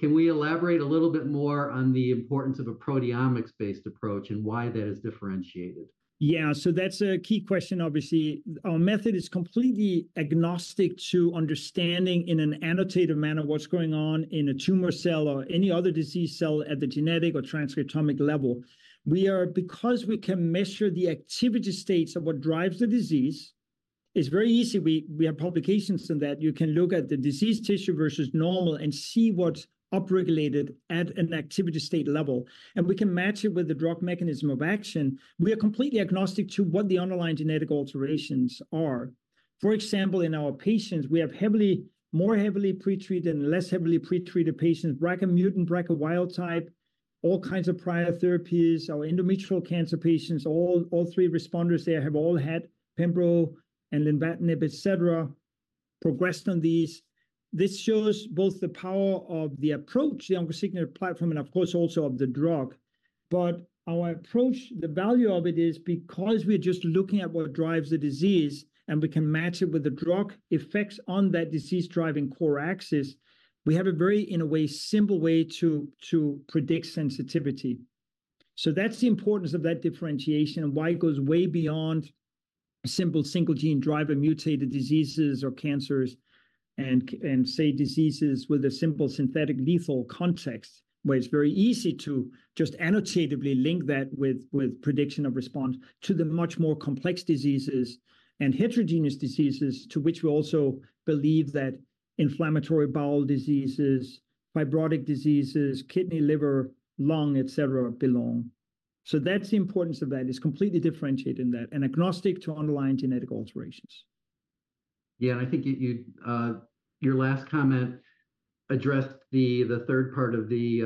Speaker 1: Can we elaborate a little bit more on the importance of a proteomics-based approach and why that is differentiated?
Speaker 2: Yeah. So that's a key question, obviously. Our method is completely agnostic to understanding in an annotative manner what's going on in a tumor cell or any other disease cell at the genetic or transcriptomic level. Because we can measure the activity states of what drives the disease, it's very easy. We have publications on that. You can look at the disease tissue versus normal and see what's upregulated at an activity state level. And we can match it with the drug mechanism of action. We are completely agnostic to what the underlying genetic alterations are. For example, in our patients, we have more heavily pretreated and less heavily pretreated patients, BRCA mutant, BRCA wild type, all kinds of prior therapies, our endometrial cancer patients, all three responders there have all had pembrolizumab and lenvatinib, etc., progressed on these. This shows both the power of the approach, the OncoSignature platform, and of course, also of the drug. But our approach, the value of it is because we're just looking at what drives the disease and we can match it with the drug effects on that disease-driving core axis, we have a very, in a way, simple way to predict sensitivity. So that's the importance of that differentiation and why it goes way beyond simple single-gene driver mutated diseases or cancers and, say, diseases with a simple synthetic lethal context, where it's very easy to just annotatively link that with prediction of response to the much more complex diseases and heterogeneous diseases to which we also believe that inflammatory bowel diseases, fibrotic diseases, kidney, liver, lung, etc., belong. So that's the importance of that. It's completely differentiating that and agnostic to underlying genetic alterations.
Speaker 1: Yeah. And I think your last comment addressed the third part of the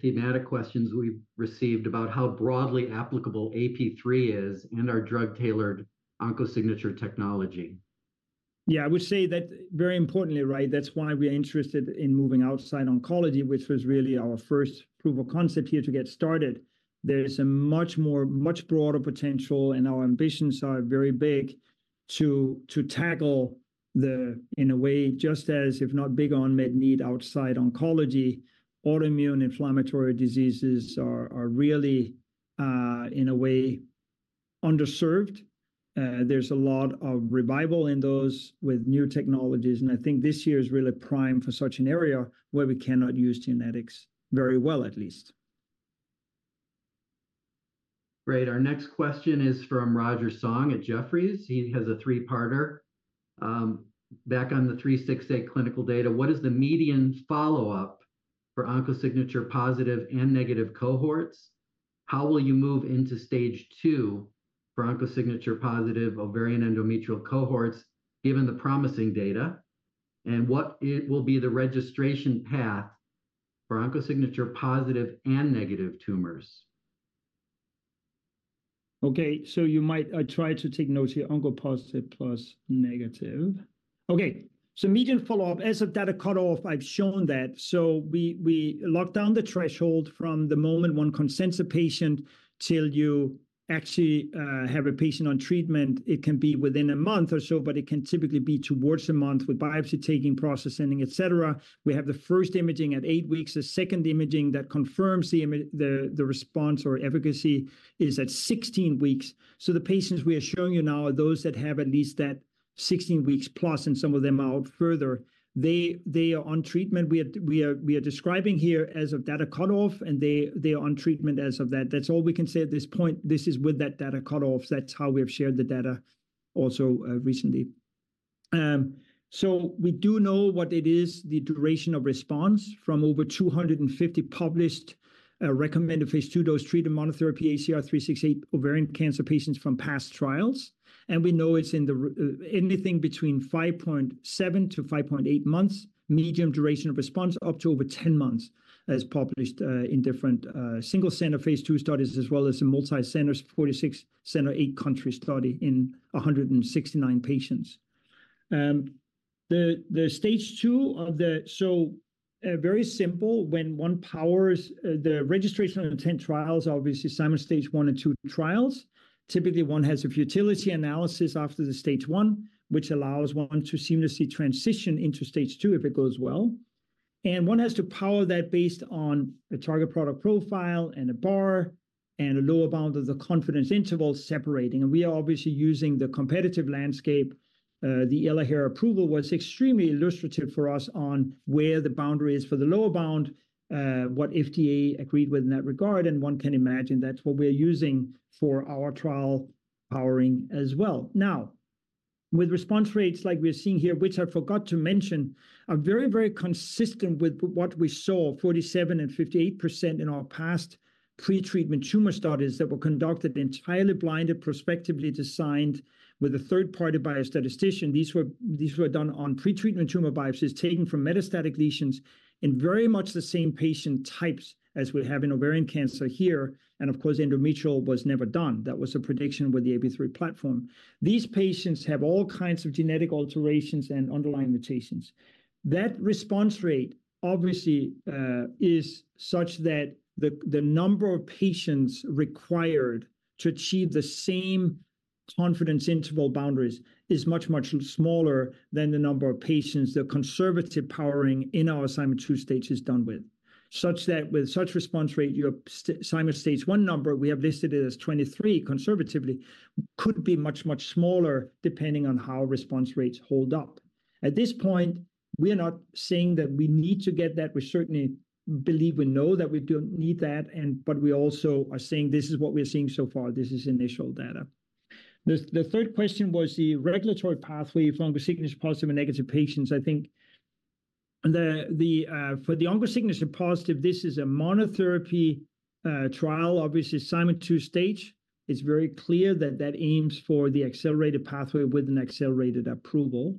Speaker 1: thematic questions we've received about how broadly applicable AP3 is and our drug-tailored OncoSignature technology.
Speaker 2: Yeah. I would say that very importantly, right, that's why we're interested in moving outside oncology, which was really our first proof of concept here to get started. There's a much broader potential, and our ambitions are very big to tackle the, in a way, just as, if not big on, med need outside oncology. Autoimmune inflammatory diseases are really, in a way, underserved. There's a lot of revival in those with new technologies. And I think this year is really prime for such an area where we cannot use genetics very well, at least.
Speaker 1: Great. Our next question is from Roger Song at Jefferies. He has a three-partner. Back on the 368 clinical data, what is the median follow-up for OncoSignature-positive and negative cohorts? How will you move into stage 2 for OncoSignature-positive ovarian endometrial cohorts given the promising data? And what will be the registration path for OncoSignature-positive and negative tumors?
Speaker 2: Okay. So you might try to take notes here. Onco-positive plus negative. Okay. So median follow-up, as of data cutoff, I've shown that. So we lock down the threshold from the moment one consents a patient till you actually have a patient on treatment. It can be within a month or so, but it can typically be towards a month with biopsy taking, processing, etc. We have the first imaging at eight weeks. The second imaging that confirms the response or efficacy is at 16 weeks. So the patients we are showing you now are those that have at least that 16 weeks plus, and some of them are out further. They are on treatment. We are describing here as of data cutoff, and they are on treatment as of that. That's all we can say at this point. This is with that data cutoff. That's how we have shared the data also recently. So we do know what it is, the duration of response from over 250 published recommended phase II dose treated monotherapy ACR-368 ovarian cancer patients from past trials. And we know it's in the anything between 5.7-5.8 months, medium duration of response up to over 10 months as published in different single-center phase II studies as well as a multi-center 46-center, 8-country study in 169 patients. The stage 2 of the so very simple. When one powers the registration on 10 trials, obviously, simulate stage 1 and 2 trials. Typically, one has a futility analysis after the stage 1, which allows one to seamlessly transition into stage 2 if it goes well. And one has to power that based on a target product profile and a bar and a lower bound of the confidence interval separating. And we are obviously using the competitive landscape. The Elahere approval was extremely illustrative for us on where the boundary is for the lower bound, what FDA agreed with in that regard. One can imagine that's what we're using for our trial powering as well. Now, with response rates like we're seeing here, which I forgot to mention, are very, very consistent with what we saw, 47% and 58% in our past pretreatment tumor studies that were conducted entirely blinded, prospectively designed with a third-party biostatistician. These were done on pretreatment tumor biopsies taken from metastatic lesions in very much the same patient types as we have in ovarian cancer here. Of course, endometrial was never done. That was a prediction with the AP3 platform. These patients have all kinds of genetic alterations and underlying mutations. That response rate obviously is such that the number of patients required to achieve the same confidence interval boundaries is much, much smaller than the number of patients the conservative powering in our Simon stage is done with. Such that with such response rate, your Simon stage one number, we have listed it as 23 conservatively, could be much, much smaller depending on how response rates hold up. At this point, we are not saying that we need to get that. We certainly believe we know that we don't need that. But we also are saying this is what we are seeing so far. This is initial data. The third question was the regulatory pathway for OncoSignature-positive and negative patients. I think for the OncoSignature-positive, this is a monotherapy trial, obviously, Simon two-stage. It's very clear that that aims for the accelerated pathway with an accelerated approval.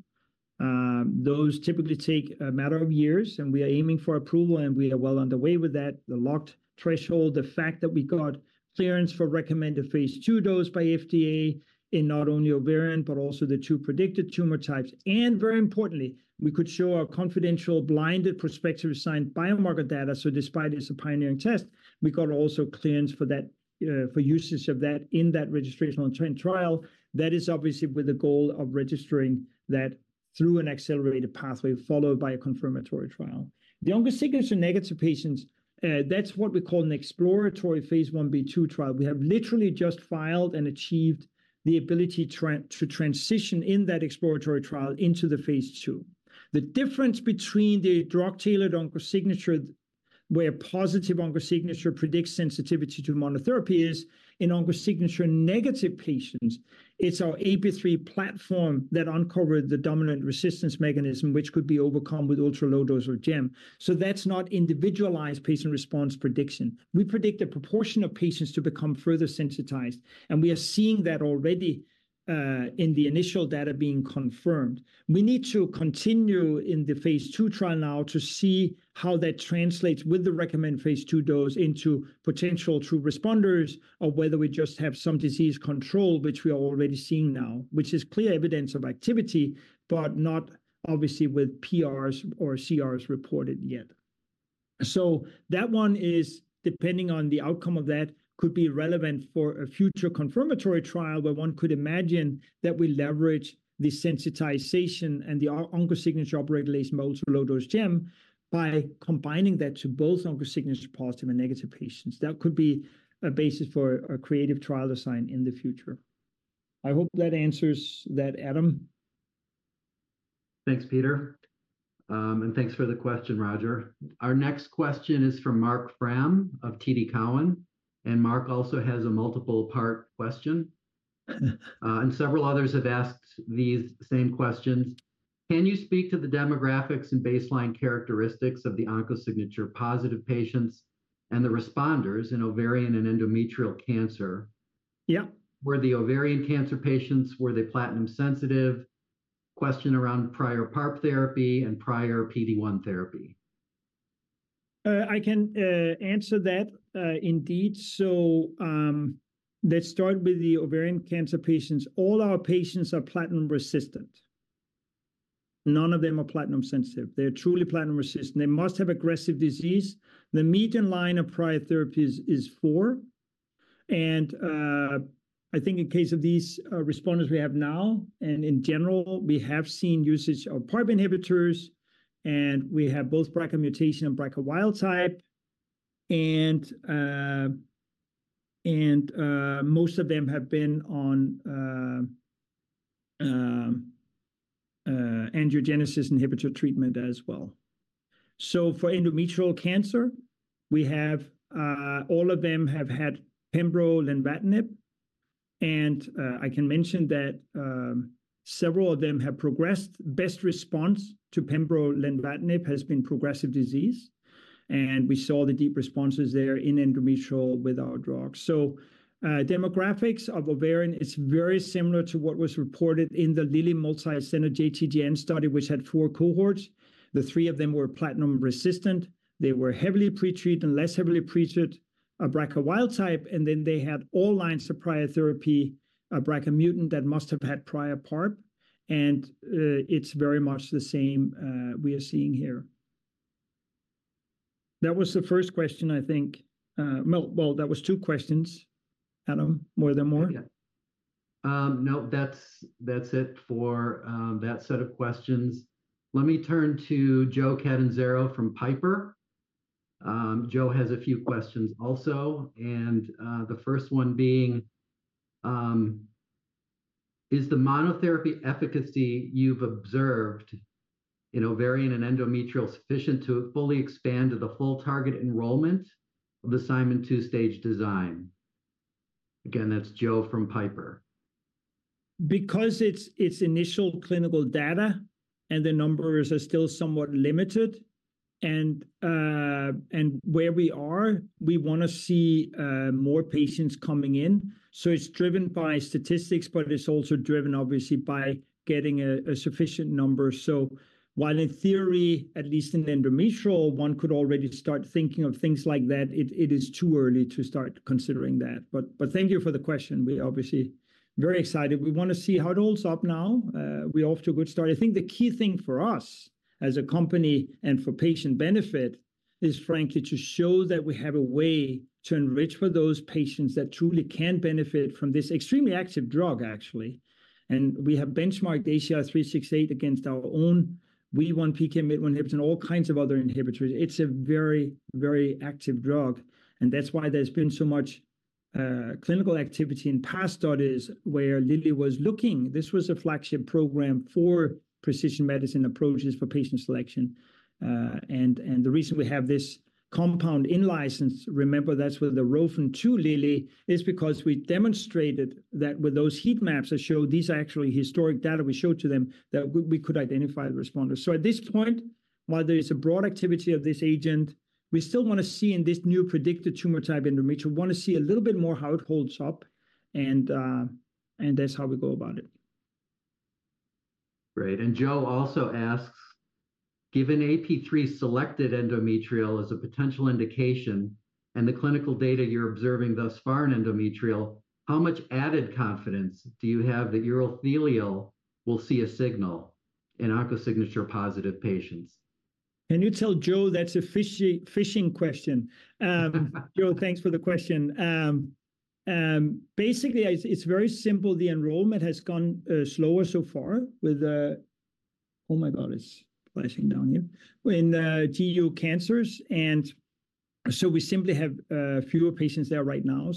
Speaker 2: Those typically take a matter of years, and we are aiming for approval, and we are well underway with that, the locked threshold, the fact that we got clearance for recommended phase II dose by FDA in not only ovarian but also the 2 predicted tumor types. And very importantly, we could show our confidential blinded prospective assigned biomarker data. So despite it's a pioneering test, we got also clearance for usage of that in that registration on 10 trial. That is obviously with the goal of registering that through an accelerated pathway followed by a confirmatory trial. The OncoSignature-negative patients, that's what we call an exploratory phase 1b/2 trial. We have literally just filed and achieved the ability to transition in that exploratory trial into the phase II. The difference between the drug-tailored OncoSignature where positive OncoSignature predicts sensitivity to monotherapy is in OncoSignature-negative patients; it's our AP3 platform that uncovered the dominant resistance mechanism, which could be overcome with ultra-low dose or gem. So that's not individualized patient response prediction. We predict a proportion of patients to become further sensitized, and we are seeing that already in the initial data being confirmed. We need to continue in the phase II trial now to see how that translates with the recommended phase II dose into potential true responders or whether we just have some disease control, which we are already seeing now, which is clear evidence of activity, but not obviously with PRs or CRs reported yet. So that one is depending on the outcome of that could be relevant for a future confirmatory trial where one could imagine that we leverage the sensitization and the OncoSignature upregulation mode for low dose gem by combining that to both OncoSignature-positive and negative patients. That could be a basis for a creative trial assigned in the future. I hope that answers that, Adam.
Speaker 1: Thanks, Peter. And thanks for the question, Roger. Our next question is from Marc Frahm of TD Cowen. And Mark also has a multiple-part question. And several others have asked these same questions. Can you speak to the demographics and baseline characteristics of the OncoSignature-positive patients and the responders in ovarian and endometrial cancer?
Speaker 2: Yeah.
Speaker 1: Were the ovarian cancer patients, were they platinum sensitive? Question around prior PARP therapy and prior PD-1 therapy.
Speaker 2: I can answer that indeed. So let's start with the ovarian cancer patients. All our patients are platinum resistant. None of them are platinum sensitive. They're truly platinum resistant. They must have aggressive disease. The median line of prior therapies is four. I think in case of these responders we have now and in general, we have seen usage of PARP inhibitors, and we have both BRCA mutation and BRCA wild type. Most of them have been on angiogenesis inhibitor treatment as well. For endometrial cancer, all of them have had pembrolizumab, lenvatinib. I can mention that several of them have progressed. Best response to pembrolizumab, lenvatinib has been progressive disease. We saw the deep responses there in endometrial with our drugs. Demographics of ovarian, it's very similar to what was reported in the Lilly multi-center JTJN study, which had four cohorts. The three of them were platinum resistant. They were heavily pretreated and less heavily pretreated BRCA wild type. Then they had all lines of prior therapy, a BRCA mutant that must have had prior PARP. It's very much the same we are seeing here. That was the first question, I think. Well, that was two questions, Adam, more than one. Yeah.
Speaker 1: No, that's it for that set of questions. Let me turn to Joe Catanzaro from Piper. Joe has a few questions also. The first one being, is the monotherapy efficacy you've observed in ovarian and endometrial sufficient to fully expand to the full target enrollment of the Simon two-stage design? Again, that's Joe from Piper.
Speaker 2: Because it's initial clinical data and the numbers are still somewhat limited. Where we are, we want to see more patients coming in. So it's driven by statistics, but it's also driven, obviously, by getting a sufficient number. So while in theory, at least in endometrial, one could already start thinking of things like that, it is too early to start considering that. But thank you for the question. We're obviously very excited. We want to see how it holds up now. We're off to a good start. I think the key thing for us as a company and for patient benefit is, frankly, to show that we have a way to enrich for those patients that truly can benefit from this extremely active drug, actually. And we have benchmarked ACR-368 against our own WEE1, PKMYT1, and all kinds of other inhibitors. It's a very, very active drug. And that's why there's been so much clinical activity in past studies where Lilly was looking. This was a flagship program for precision medicine approaches for patient selection. And the reason we have this compound in-license, remember, that's from Eli Lilly, is because we demonstrated that with those heat maps that show these are actually historic data we showed to them that we could identify the responders. So at this point, while there is a broad activity of this agent, we still want to see in this new predicted tumor type endometrial, want to see a little bit more how it holds up. And that's how we go about it.
Speaker 1: Great. And Joe also asks, given AP3 selected endometrial as a potential indication and the clinical data you're observing thus far in endometrial, how much added confidence do you have that urothelial will see a signal in OncoSignature-positive patients?
Speaker 2: Can you tell Joe that's a fishing question? Joe, thanks for the question. Basically, it's very simple. The enrollment has gone slower so far with the oh my God, it's flashing down here. In GU cancers. We simply have fewer patients there right now.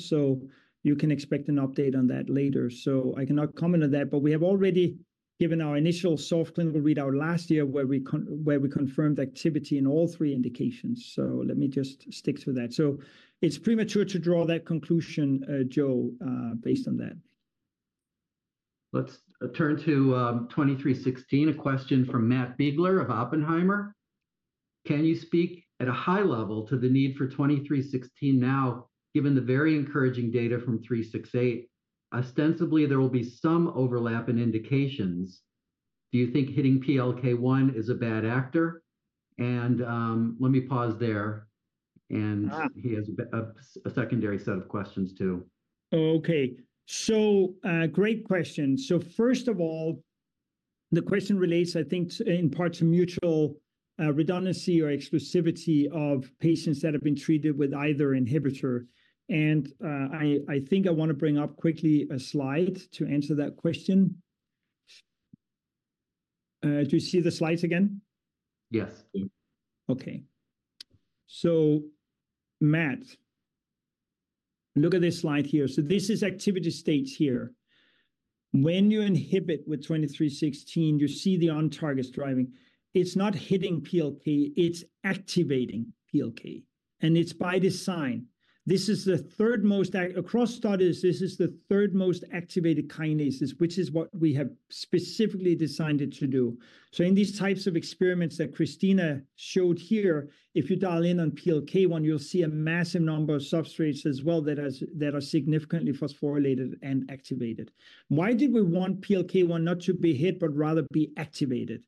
Speaker 2: You can expect an update on that later. I cannot comment on that. But we have already given our initial soft clinical readout last year where we confirmed activity in all three indications. Let me just stick to that. It's premature to draw that conclusion, Joe, based on that.
Speaker 1: Let's turn to 2316, a question from Matt Biegler of Oppenheimer. Can you speak at a high level to the need for 2316 now, given the very encouraging data from 368? Ostensibly, there will be some overlap in indications. Do you think hitting PLK1 is a bad actor? Let me pause there. He has a secondary set of questions too.
Speaker 2: Okay. So great question. So first of all, the question relates, I think, in part to mutual redundancy or exclusivity of patients that have been treated with either inhibitor. And I think I want to bring up quickly a slide to answer that question. Do you see the slides again? Yes. Okay. So Matt, look at this slide here. So this is activity states here. When you inhibit with 2316, you see the on-target driving. It's not hitting PLK. It's activating PLK. And it's by design. This is the third most across studies, this is the third most activated kinases, which is what we have specifically designed it to do. So in these types of experiments that Kristina showed here, if you dial in on PLK1, you'll see a massive number of substrates as well that are significantly phosphorylated and activated. Why did we want PLK1 not to be hit but rather be activated,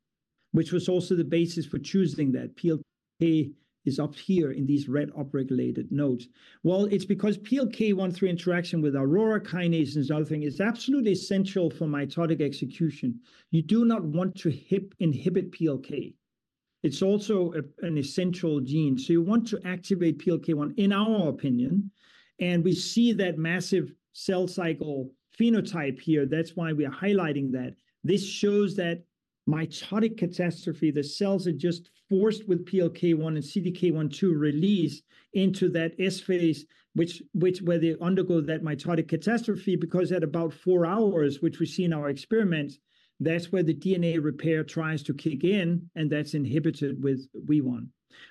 Speaker 2: which was also the basis for choosing that? PLK is up here in these red upregulated notes. Well, it's because PLK1 through interaction with Aurora kinases and other things is absolutely essential for mitotic execution. You do not want to inhibit PLK. It's also an essential gene. So you want to activate PLK1, in our opinion. We see that massive cell cycle phenotype here. That's why we are highlighting that. This shows that mitotic catastrophe, the cells are just forced with PLK1 and CDK12 release into that S phase, where they undergo that mitotic catastrophe because at about four hours, which we see in our experiments, that's where the DNA repair tries to kick in, and that's inhibited with V1.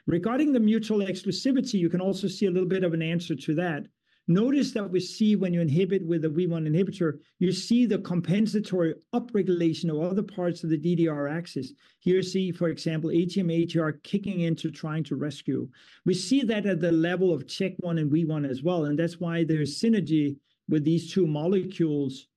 Speaker 2: Regarding the mutual exclusivity, you can also see a little bit of an answer to that. Notice that we see when you inhibit with a WEE1 inhibitor, you see the compensatory upregulation of other parts of the DDR axis. Here you see, for example, ATM are kicking into trying to rescue. We see that at the level of Chk1 and WEE1 as well. And that's why there's synergy with these two molecules.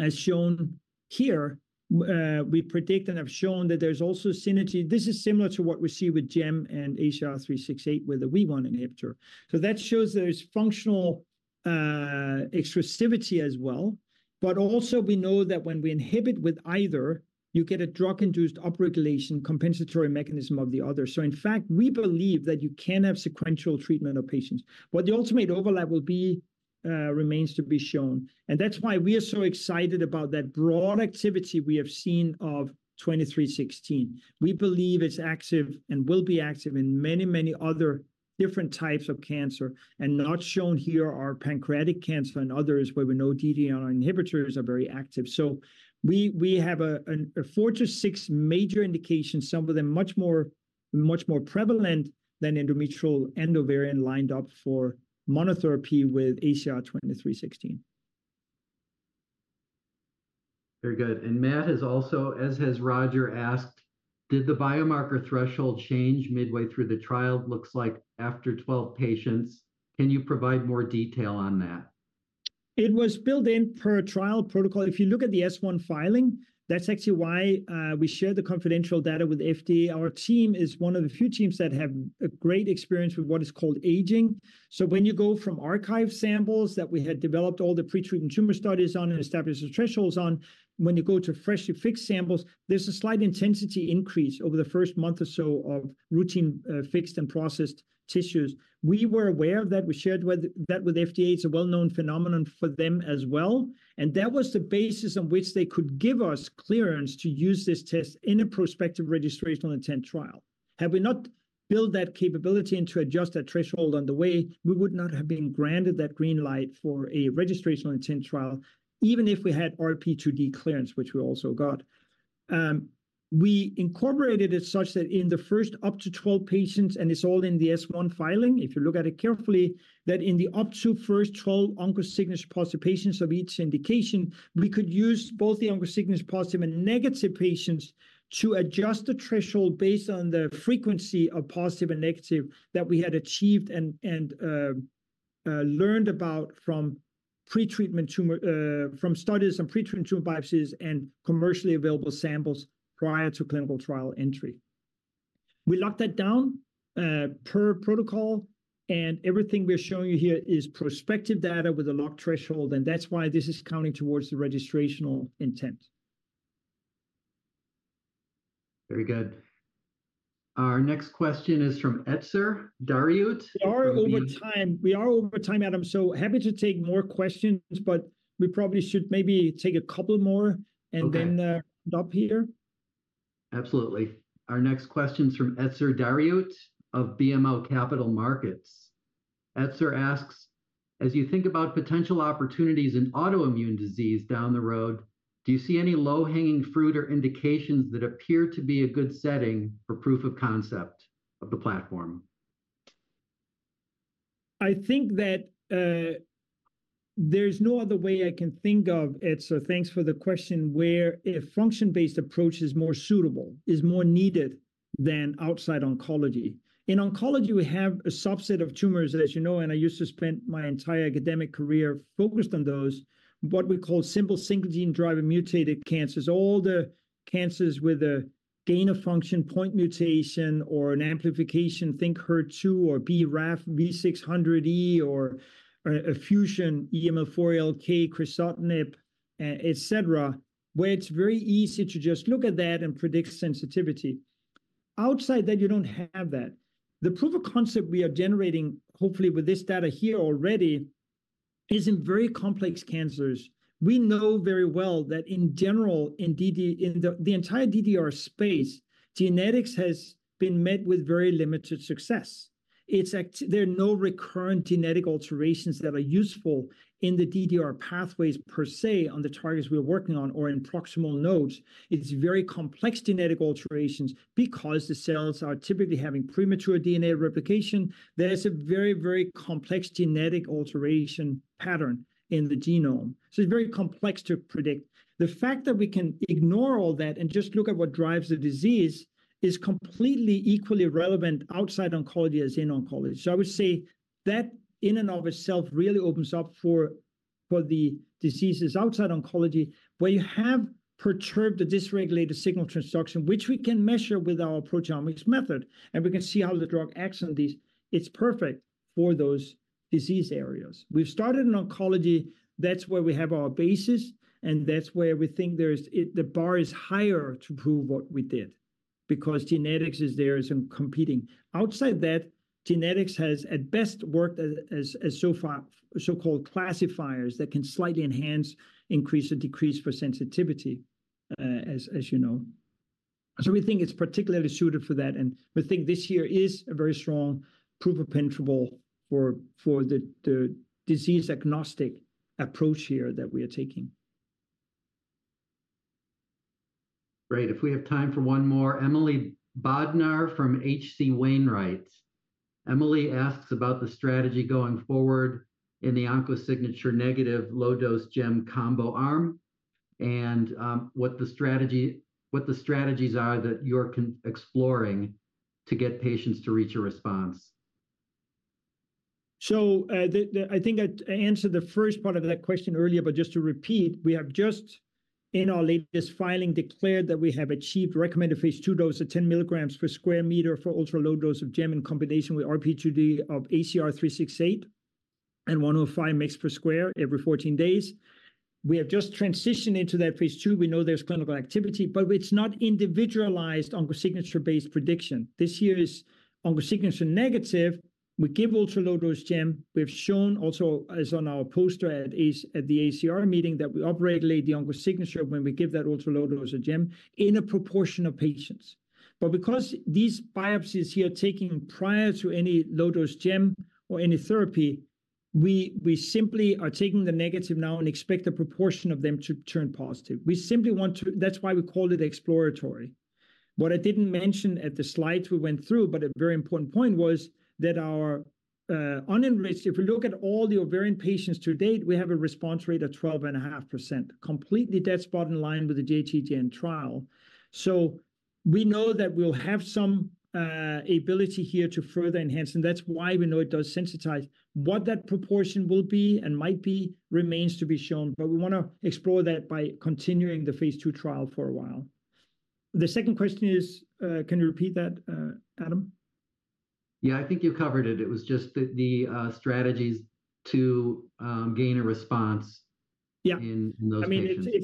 Speaker 2: As shown here, we predict and have shown that there's also synergy. This is similar to what we see with gem and ACR-368 with a WEE1 inhibitor. So that shows there's functional exclusivity as well. But also we know that when we inhibit with either, you get a drug-induced upregulation compensatory mechanism of the other. So in fact, we believe that you can have sequential treatment of patients. What the ultimate overlap will be remains to be shown. That's why we are so excited about that broad activity we have seen of ACR-2316. We believe it's active and will be active in many, many other different types of cancer. And not shown here are pancreatic cancer and others where we know DDR inhibitors are very active. So we have 4-6 major indications, some of them much more prevalent than endometrial and ovarian lined up for monotherapy with ACR-2316.
Speaker 1: Very good. And Matt has also, as has Roger, asked, did the biomarker threshold change midway through the trial? Looks like after 12 patients. Can you provide more detail on that?
Speaker 2: It was built in per trial protocol. If you look at the S-1 filing, that's actually why we share the confidential data with FDA. Our team is one of the few teams that have a great experience with what is called aging. So when you go from archive samples that we had developed all the pretreated tumor studies on and established the thresholds on, when you go to freshly fixed samples, there's a slight intensity increase over the first month or so of routine fixed and processed tissues. We were aware of that. We shared that with FDA. It's a well-known phenomenon for them as well. And that was the basis on which they could give us clearance to use this test in a prospective registration-intent trial. Had we not built that capability and to adjust that threshold on the way, we would not have been granted that green light for a registration-intent trial, even if we had RP2D clearance, which we also got. We incorporated it such that in the first up to 12 patients, and it's all in the S-1 filing, if you look at it carefully, that in the up to first 12 OncoSignature-positive patients of each indication, we could use both the OncoSignature-positive and negative patients to adjust the threshold based on the frequency of positive and negative that we had achieved and learned about from pretreatment tumor from studies and pretreatment tumor biopsies and commercially available samples prior to clinical trial entry. We locked that down per protocol. Everything we're showing you here is prospective data with a locked threshold. That's why this is counting towards the registration intent.
Speaker 1: Very good. Our next question is from Etzer Darout.
Speaker 2: We are over time. We are over time, Adam. So happy to take more questions, but we probably should maybe take a couple more and then wrap it up here.
Speaker 1: Absolutely. Our next question's from Etzer Darout of BMO Capital Markets. Etzer asks, as you think about potential opportunities in autoimmune disease down the road, do you see any low-hanging fruit or indications that appear to be a good setting for proof of concept of the platform?
Speaker 2: I think that there's no other way I can think of. Etzer, thanks for the question, where a function-based approach is more suitable, is more needed than outside oncology. In oncology, we have a subset of tumors, as you know, and I used to spend my entire academic career focused on those, what we call simple single-gene driver mutated cancers. All the cancers with a gain of function point mutation or an amplification, think HER2 or BRAF, V600E, or a fusion, EML4-ALK, crizotinib, etc., where it's very easy to just look at that and predict sensitivity. Outside that, you don't have that. The proof of concept we are generating, hopefully with this data here already, is in very complex cancers. We know very well that in general, in the entire DDR space, genetics has been met with very limited success. There are no recurrent genetic alterations that are useful in the DDR pathways per se on the targets we're working on or in proximal nodes. It's very complex genetic alterations because the cells are typically having premature DNA replication. There's a very, very complex genetic alteration pattern in the genome. So it's very complex to predict. The fact that we can ignore all that and just look at what drives the disease is completely equally relevant outside oncology as in oncology. So I would say that in and of itself really opens up for the diseases outside oncology, where you have perturbed the dysregulated signal construction, which we can measure with our proteomics method. And we can see how the drug acts on these. It's perfect for those disease areas. We've started in oncology. That's where we have our basis. And that's where we think there's the bar is higher to prove what we did because genetics is there as in competing. Outside that, genetics has at best worked as so far so-called classifiers that can slightly enhance, increase, or decrease for sensitivity, as you know. So we think it's particularly suited for that. We think this year is a very strong proof of principle for the disease agnostic approach here that we are taking.
Speaker 1: Great. If we have time for one more, Emily Bodnar from H.C. Wainwright & Co. Emily asks about the strategy going forward in the OncoSignature-negative low-dose gem combo arm and what the strategies are that you're exploring to get patients to reach a response.
Speaker 2: So I think I answered the first part of that question earlier. But just to repeat, we have just in our latest filing declared that we have achieved recommended phase II dose of 10 milligrams per square meter for ultra-low dose of gem in combination with RP2D of ACR-368 and 105 mg per square meter every 14 days. We have just transitioned into that phase II. We know there's clinical activity, but it's not individualized OncoSignature-based prediction. This year is OncoSignature-negative. We give ultra-low dose gem. We have shown also, as on our poster at the AACR meeting, that we upregulate the OncoSignature when we give that ultra-low dose of gem in a proportion of patients. But because these biopsies here are taken prior to any low-dose gem or any therapy, we simply are taking the negative now and expect a proportion of them to turn positive. We simply want to. That's why we call it exploratory. What I didn't mention at the slides we went through, but a very important point was that our unenriched, if we look at all the ovarian patients to date, we have a response rate of 12.5%, completely dead spot in line with the JTJN trial. So we know that we'll have some ability here to further enhance. And that's why we know it does sensitize. What that proportion will be and might be remains to be shown. But we want to explore that by continuing the phase II trial for a while. The second question is, can you repeat that, Adam?
Speaker 1: Yeah, I think you covered it. It was just the strategies to gain a response in those patients.
Speaker 2: Yeah. I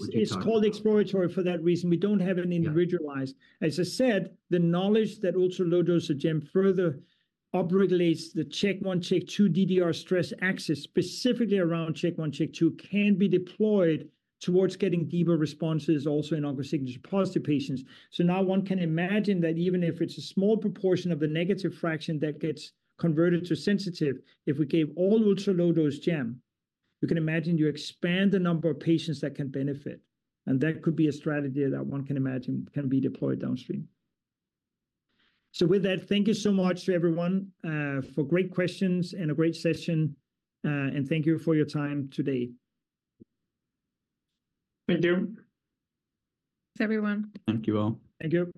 Speaker 2: mean, it's called exploratory for that reason. We don't have an individualized. As I said, the knowledge that ultra-low dose of gem further upregulates the Chk1/Chk2 DDR stress axis specifically around Chk1/Chk2 can be deployed towards getting deeper responses also in OncoSignature-positive patients. So now one can imagine that even if it's a small proportion of the negative fraction that gets converted to sensitive, if we gave all ultra-low dose gem, you can imagine you expand the number of patients that can benefit. And that could be a strategy that one can imagine can be deployed downstream. With that, thank you so much to everyone for great questions and a great session. Thank you for your time today.
Speaker 4: Thank you.
Speaker 3: Thanks, everyone.
Speaker 1: Thank you all.
Speaker 2: Thank you.